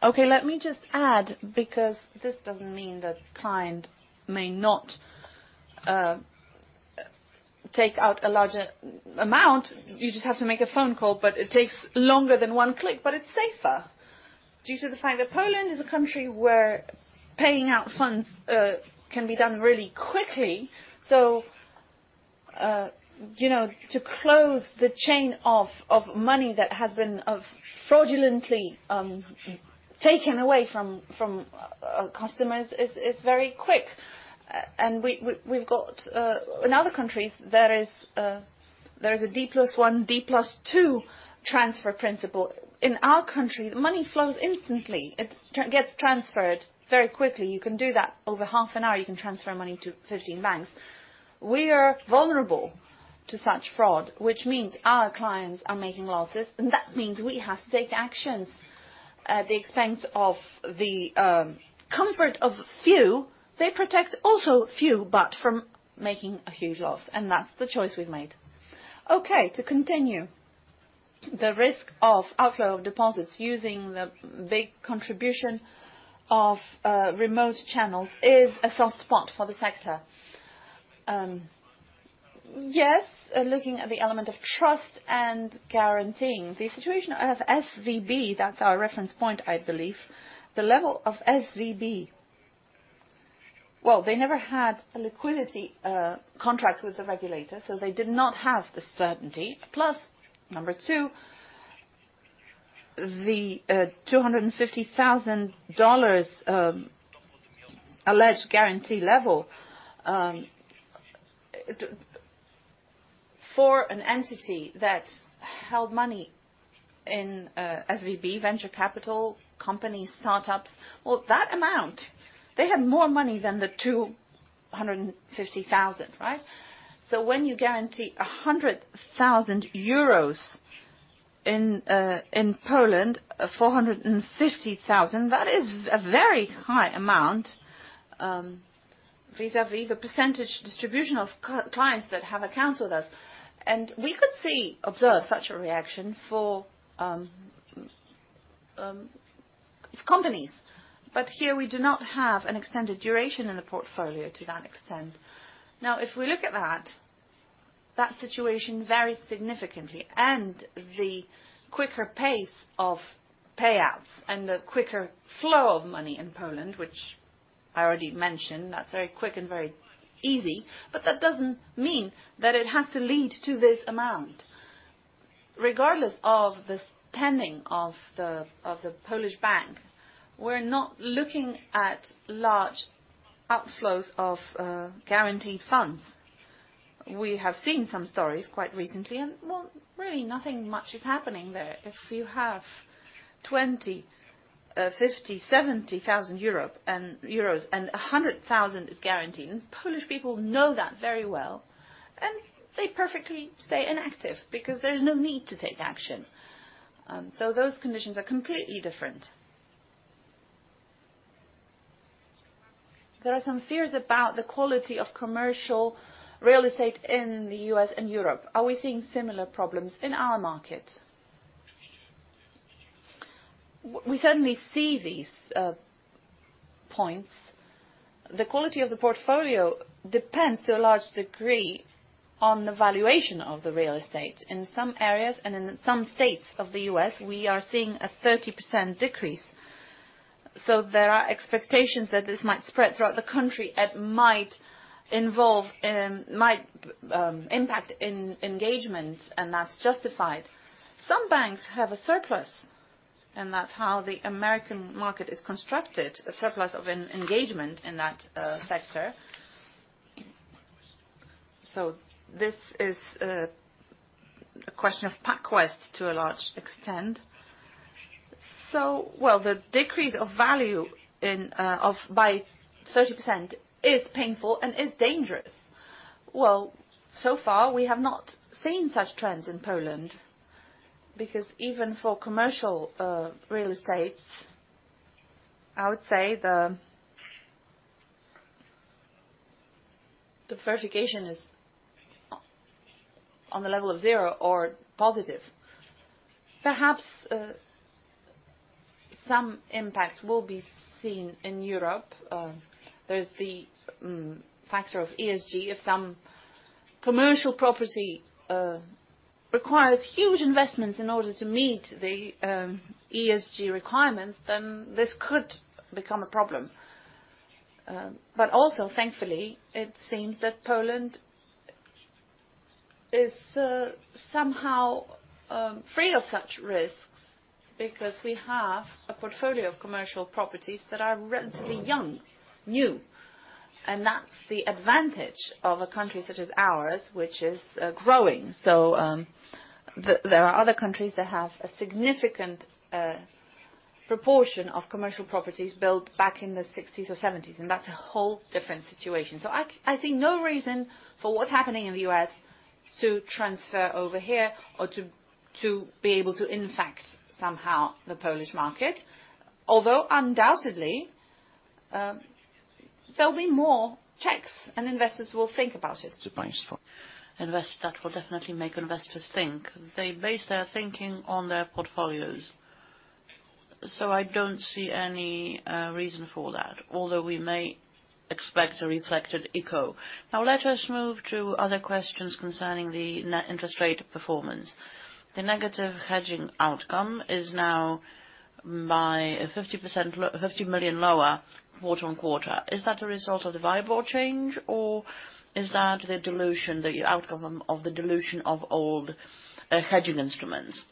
Let me just add, because this doesn't mean that client may not take out a larger amount. You just have to make a phone call, but it takes longer than one click, but it's safer due to the fact that Poland is a country where paying out funds can be done really quickly. you know, to close the chain of money that has been fraudulently taken away from customers is very quick. In other countries, there is a D+1, D+2 transfer principle. In our country, the money flows instantly. It gets transferred very quickly. You can do that over half an hour. You can transfer money to 15 banks. We are vulnerable to such fraud, which means our clients are making losses, and that means we have to take actions at the expense of the comfort of few. They protect also few, but from making a huge loss. That's the choice we've made. Okay, to continue. The risk of outflow of deposits using the big contribution of remote channels is a soft spot for the sector. Yes, looking at the element of trust and guaranteeing. The situation of SVB, that's our reference point, I believe, the level of SVB. Well, they never had a liquidity contract with the regulator, so they did not have the certainty. Number two, the $250,000 alleged guarantee level for an entity that held money in SVB venture capital, company startups, well, that amount, they have more money than the $250,000, right? When you guarantee 100,000 euros in Poland, 450,000, that is a very high amount vis-à-vis the % distribution of clients that have accounts with us. We could observe such a reaction for companies. Here, we do not have an extended duration in the portfolio to that extent. If we look at that situation varies significantly, and the quicker pace of payouts and the quicker flow of money in Poland, which I already mentioned, that's very quick and very easy. That doesn't mean that it has to lead to this amount. Regardless of the standing of the Polish bank, we're not looking at large outflows of guaranteed funds. We have seen some stories quite recently and, well, really nothing much is happening there. If you have 20 euros, 50 euros, 70 thousand euro and 100 thousand euros is guaranteed, and Polish people know that very well, then they perfectly stay inactive because there is no need to take action. Those conditions are completely different. There are some fears about the quality of commercial real estate in the US and Europe. Are we seeing similar problems in our market? We certainly see these points. The quality of the portfolio depends to a large degree on the valuation of the real estate. In some areas and in some states of the U.S., we are seeing a 30% decrease. There are expectations that this might spread throughout the country. It might involve, might impact engagements, and that's justified. Some banks have a surplus, and that's how the American market is constructed, a surplus of an engagement in that sector. This is a question of PacWest to a large extent. Well, the decrease of value of by 30% is painful and is dangerous. So far, we have not seen such trends in Poland because even for commercial real estates, I would say the verification is on the level of zero or positive. Perhaps, some impact will be seen in Europe. There's the factor of ESG. If some commercial property requires huge investments in order to meet the ESG requirements, then this could become a problem. Also thankfully, it seems that Poland is somehow free of such risks because we have a portfolio of commercial properties that are relatively young, new. That's the advantage of a country such as ours, which is growing. There are other countries that have a significant proportion of commercial properties built back in the sixties or seventies, and that's a whole different situation. I see no reason for what's happening in the U.S. to transfer over here or to be able to infect somehow the Polish market. Undoubtedly, there'll be more checks, and investors will think about it. That will definitely make investors think. They base their thinking on their portfolios. I don't see any reason for that, although we may expect a reflected echo. Now let us move to other questions concerning the net interest rate performance. The negative hedging outcome is now by 50 million lower quarter-on-quarter. Is that a result of the viable change, or is that the dilution, the outcome of the dilution of old hedging instruments?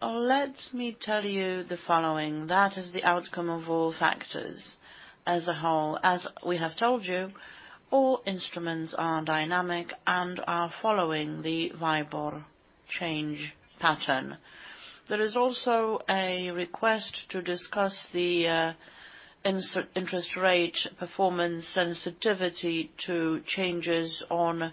Let me tell you the following: That is the outcome of all factors as a whole. As we have told you, all instruments are dynamic and are following the viable change pattern. There is also a request to discuss the interest rate performance sensitivity to changes to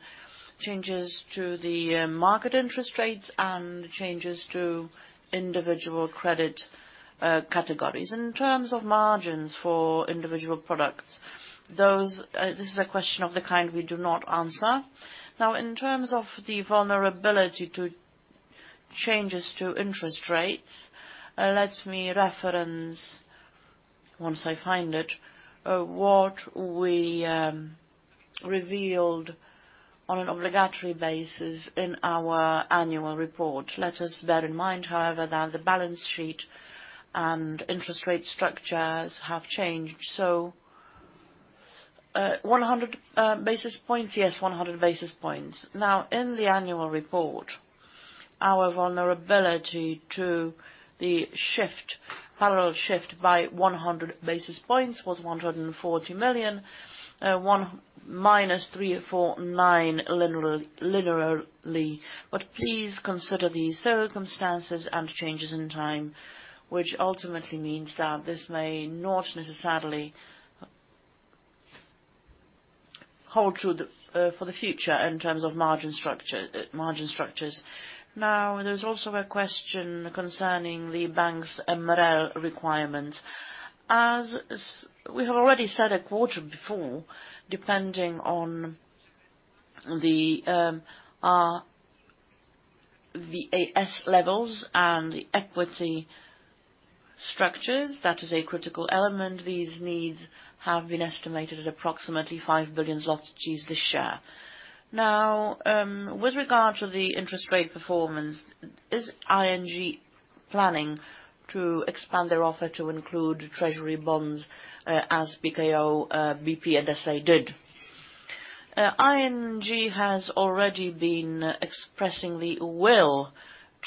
the market interest rates and changes to individual credit categories. In terms of margins for individual products, those, this is a question of the kind we do not answer. In terms of the vulnerability to changes to interest rates, let me reference, once I find it, what we revealed on an obligatory basis in our annual report. Let us bear in mind, however, that the balance sheet and interest rate structures have changed. 100 basis points? Yes, 100 basis points. In the annual report, our vulnerability to the shift, parallel shift by 100 basis points was 140 million, 1-349 linearly. Please consider these circumstances and changes in time, which ultimately means that this may not necessarily hold true for the future in terms of margin structures. There's also a question concerning the bank's MREL requirements. As we have already said a quarter before, depending on the AS levels and the equity structures, that is a critical element. These needs have been estimated at approximately 5 billion this year. With regard to the interest rate performance, is ING planning to expand their offer to include treasury bonds, as PKO BP and S.A. did? ING has already been expressing the will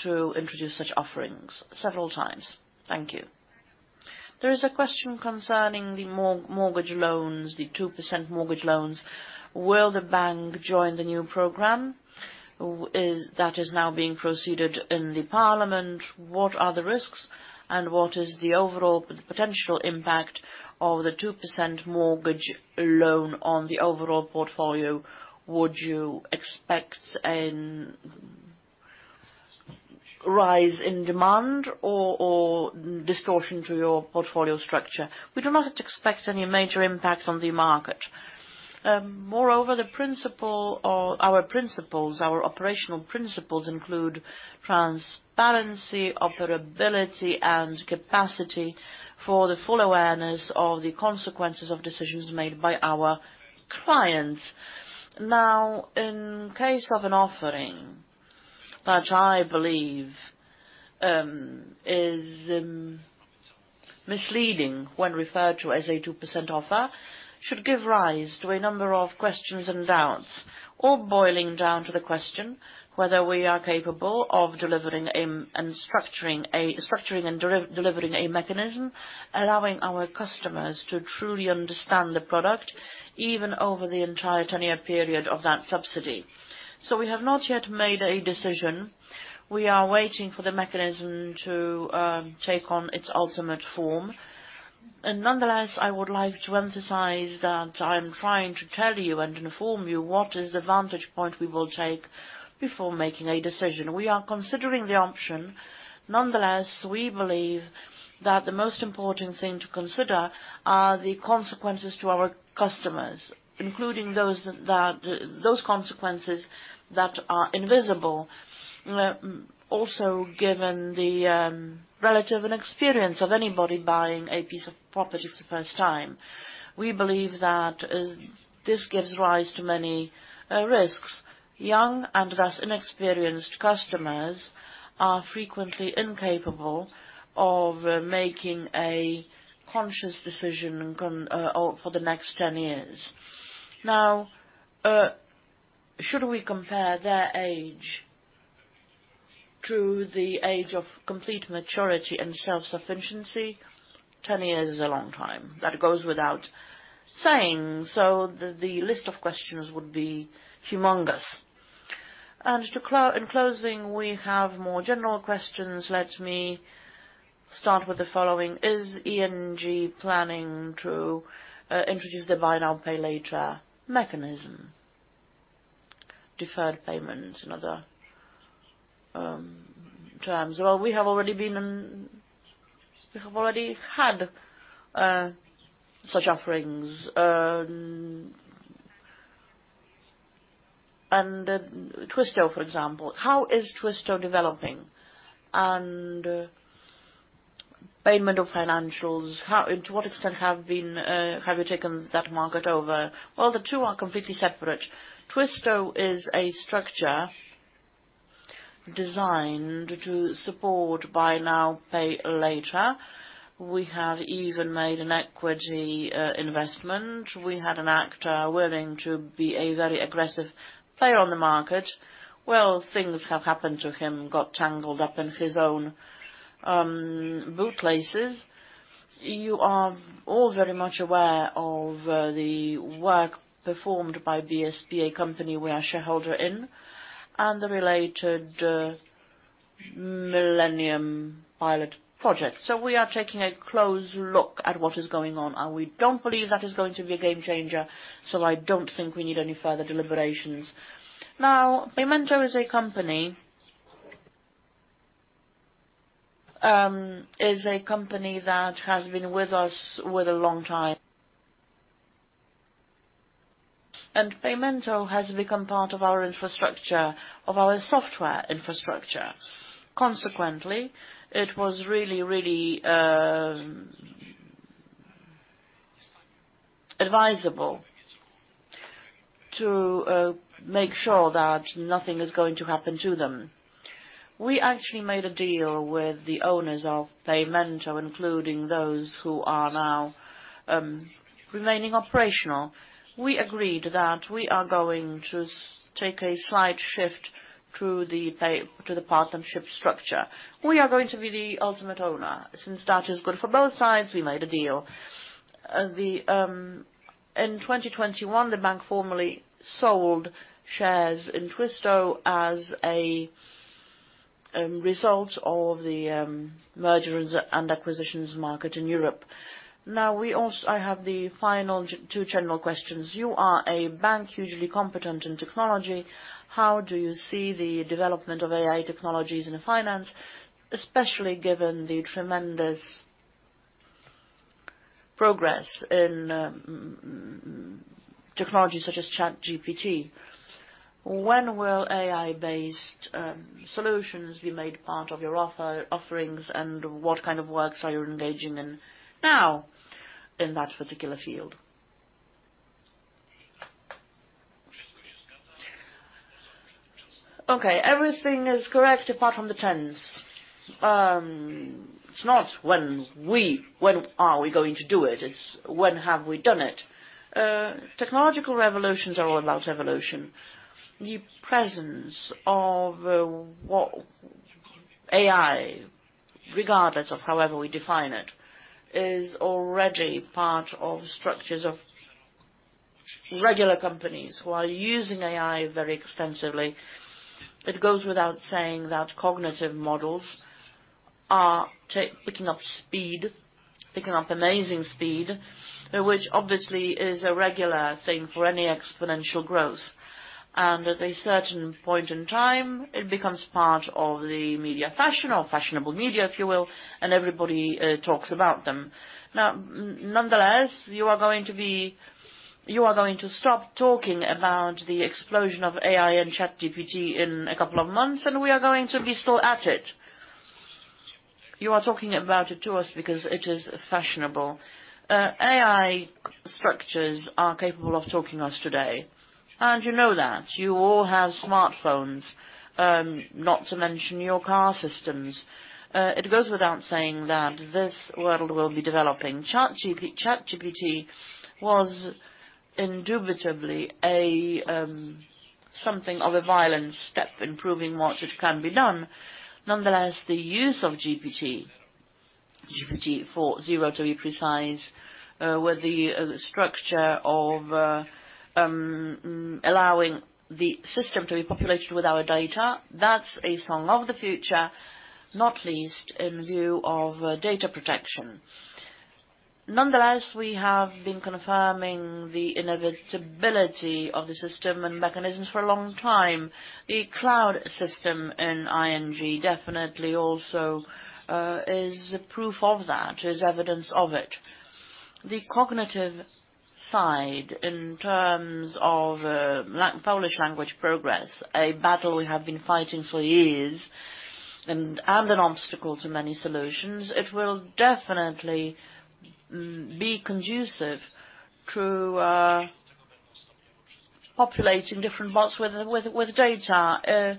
to introduce such offerings several times. Thank you. There is a question concerning the mortgage loans, the 2% mortgage loans. Will the bank join the new program? That is now being proceeded in the parliament. What are the risks and what is the overall potential impact of the 2% mortgage loan on the overall portfolio? Would you expect an rise in demand or distortion to your portfolio structure? We do not expect any major impact on the market. Moreover, the principle or our principles, our operational principles include transparency, operability, and capacity for the full awareness of the consequences of decisions made by our clients. Now, in case of an offering that I believe is misleading when referred to as a 2% offer, should give rise to a number of questions and doubts, all boiling down to the question whether we are capable of delivering and structuring and delivering a mechanism allowing our customers to truly understand the product, even over the entire 10-year period of that subsidy. We have not yet made a decision. We are waiting for the mechanism to take on its ultimate form. Nonetheless, I would like to emphasize that I'm trying to tell you and inform you what is the vantage point we will take before making a decision. We are considering the option. Nonetheless, we believe that the most important thing to consider are the consequences to our customers, including those that, those consequences that are invisible. Also, given the relative inexperience of anybody buying a piece of property for the first time, we believe that this gives rise to many risks. Young and thus inexperienced customers are frequently incapable of making a conscious decision for the next 10 years. Should we compare their age to the age of complete maturity and self-sufficiency, 10 years is a long time. That goes without saying, so the list of questions would be humongous. In closing, we have more general questions. Let me start with the following. Is ING planning to introduce the Buy Now, Pay Later mechanism? Deferred payments in other terms. Well, we have already had such offerings, and Twisto, for example. How is Twisto developing? Paymento Financials, and to what extent have you taken that market over? Well, the two are completely separate. Twisto is a structure designed to support Buy Now, Pay Later. We have even made an equity investment. We had an actor willing to be a very aggressive player on the market. Well, things have happened to him, got tangled up in his own bootlaces. You are all very much aware of the work performed by PSP company, we are shareholder in, and the related Millennium pilot project. We are taking a close look at what is going on, and we don't believe that is going to be a game changer, so I don't think we need any further deliberations. Paymento is a company that has been with us with a long time. Paymento has become part of our infrastructure, of our software infrastructure. Consequently, it was really advisable to make sure that nothing is going to happen to them. We actually made a deal with the owners of Paymento, including those who are now remaining operational. We agreed that we are going to take a slight shift to the partnership structure. We are going to be the ultimate owner. That is good for both sides, we made a deal. The in 2021, the bank formally sold shares in Twisto as results of the mergers and acquisitions market in Europe. I have the final two general questions. You are a bank hugely competent in technology. How do you see the development of AI technologies in the finance, especially given the tremendous progress in technologies such as ChatGPT? When will AI-based solutions be made part of your offerings, and what kind of works are you engaging in now in that particular field? Everything is correct apart from the tense. It's not when are we going to do it's when have we done it. Technological revolutions are all about evolution. The presence of what AI, regardless of however we define it, is already part of structures of regular companies who are using AI very extensively. It goes without saying that cognitive models are picking up speed, picking up amazing speed, which obviously is a regular thing for any exponential growth. At a certain point in time, it becomes part of the media fashion or fashionable media, if you will, everybody talks about them. Nonetheless, you are going to stop talking about the explosion of AI and ChatGPT in a couple of months, we are going to be still at it. You are talking about it to us because it is fashionable. AI structures are capable of talking to us today, you know that. You all have smartphones, not to mention your car systems. It goes without saying that this world will be developing. ChatGPT was indubitably a something of a violent step in proving what it can be done. The use of GPT-4 to be precise, with the structure of allowing the system to be populated with our data, that's a song of the future, not least in view of data protection. We have been confirming the inevitability of the system and mechanisms for a long time. The cloud system in ING definitely also is a proof of that, is evidence of it. The cognitive side, in terms of Polish language progress, a battle we have been fighting for years and an obstacle to many solutions, it will definitely be conducive to populating different bots with data.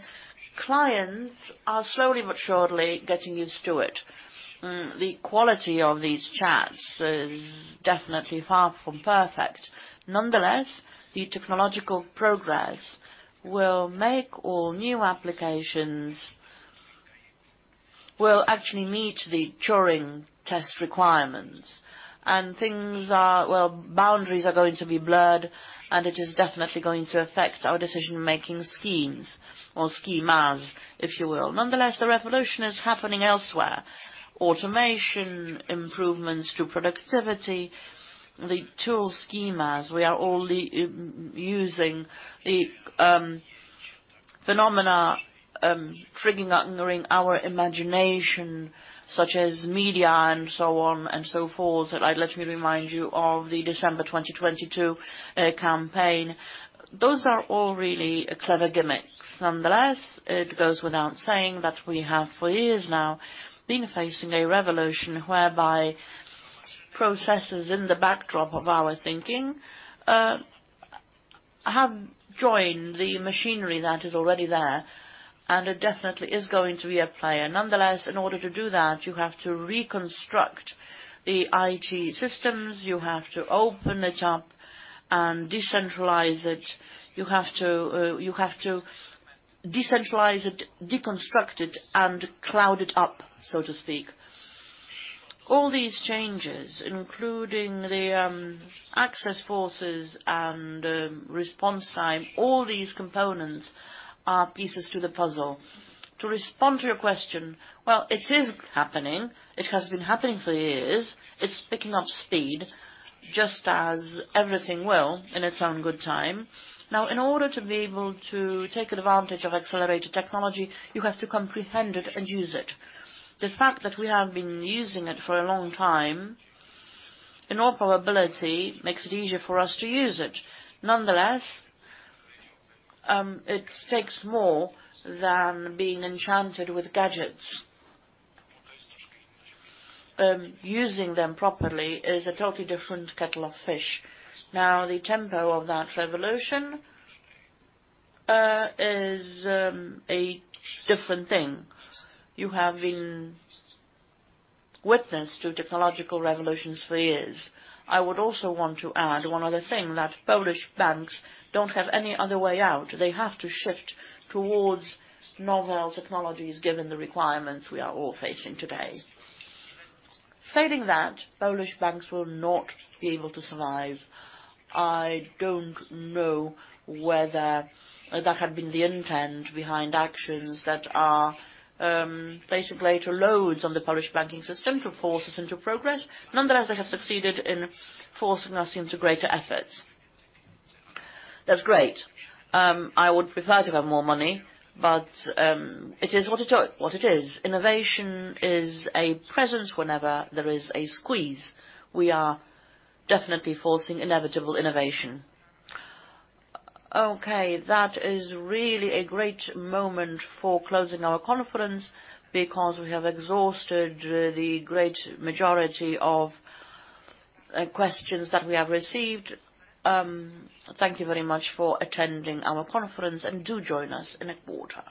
Clients are slowly but surely getting used to it. The quality of these chats is definitely far from perfect. The technological progress will make all new applications actually meet the Turing test requirements. Things are, boundaries are going to be blurred, and it is definitely going to affect our decision-making schemes or schemas, if you will. The revolution is happening elsewhere. Automation, improvements to productivity, the tool schemas we are all using. The phenomena triggering during our imagination, such as media and so on and so forth, I'd like to remind you of the December 2022 campaign. Those are all really clever gimmicks. Nonetheless, it goes without saying that we have for years now been facing a revolution whereby processes in the backdrop of our thinking, have joined the machinery that is already there, and it definitely is going to be at play. Nonetheless, in order to do that, you have to reconstruct the IT systems, you have to open it up and decentralize it. You have to decentralize it, deconstruct it, and cloud it up, so to speak. All these changes, including the access forces and response time, all these components are pieces to the puzzle. To respond to your question, well, it is happening. It has been happening for years. It's picking up speed, just as everything will in its own good time. In order to be able to take advantage of accelerated technology, you have to comprehend it and use it. The fact that we have been using it for a long time, in all probability makes it easier for us to use it. Nonetheless, it takes more than being enchanted with gadgets. Using them properly is a totally different kettle of fish. The tempo of that revolution is a different thing. You have been witness to technological revolutions for years. I would also want to add one other thing, that Polish banks don't have any other way out. They have to shift towards novel technologies given the requirements we are all facing today. Failing that, Polish banks will not be able to survive. I don't know whether that had been the intent behind actions that are placed to play to loads on the Polish banking system to force us into progress. Nonetheless, they have succeeded in forcing us into greater efforts. That's great. I would prefer to have more money, but it is what it is. Innovation is a presence whenever there is a squeeze. We are definitely forcing inevitable innovation. That is really a great moment for closing our conference because we have exhausted the great majority of questions that we have received. Thank you very much for attending our conference. Do join us in a quarter.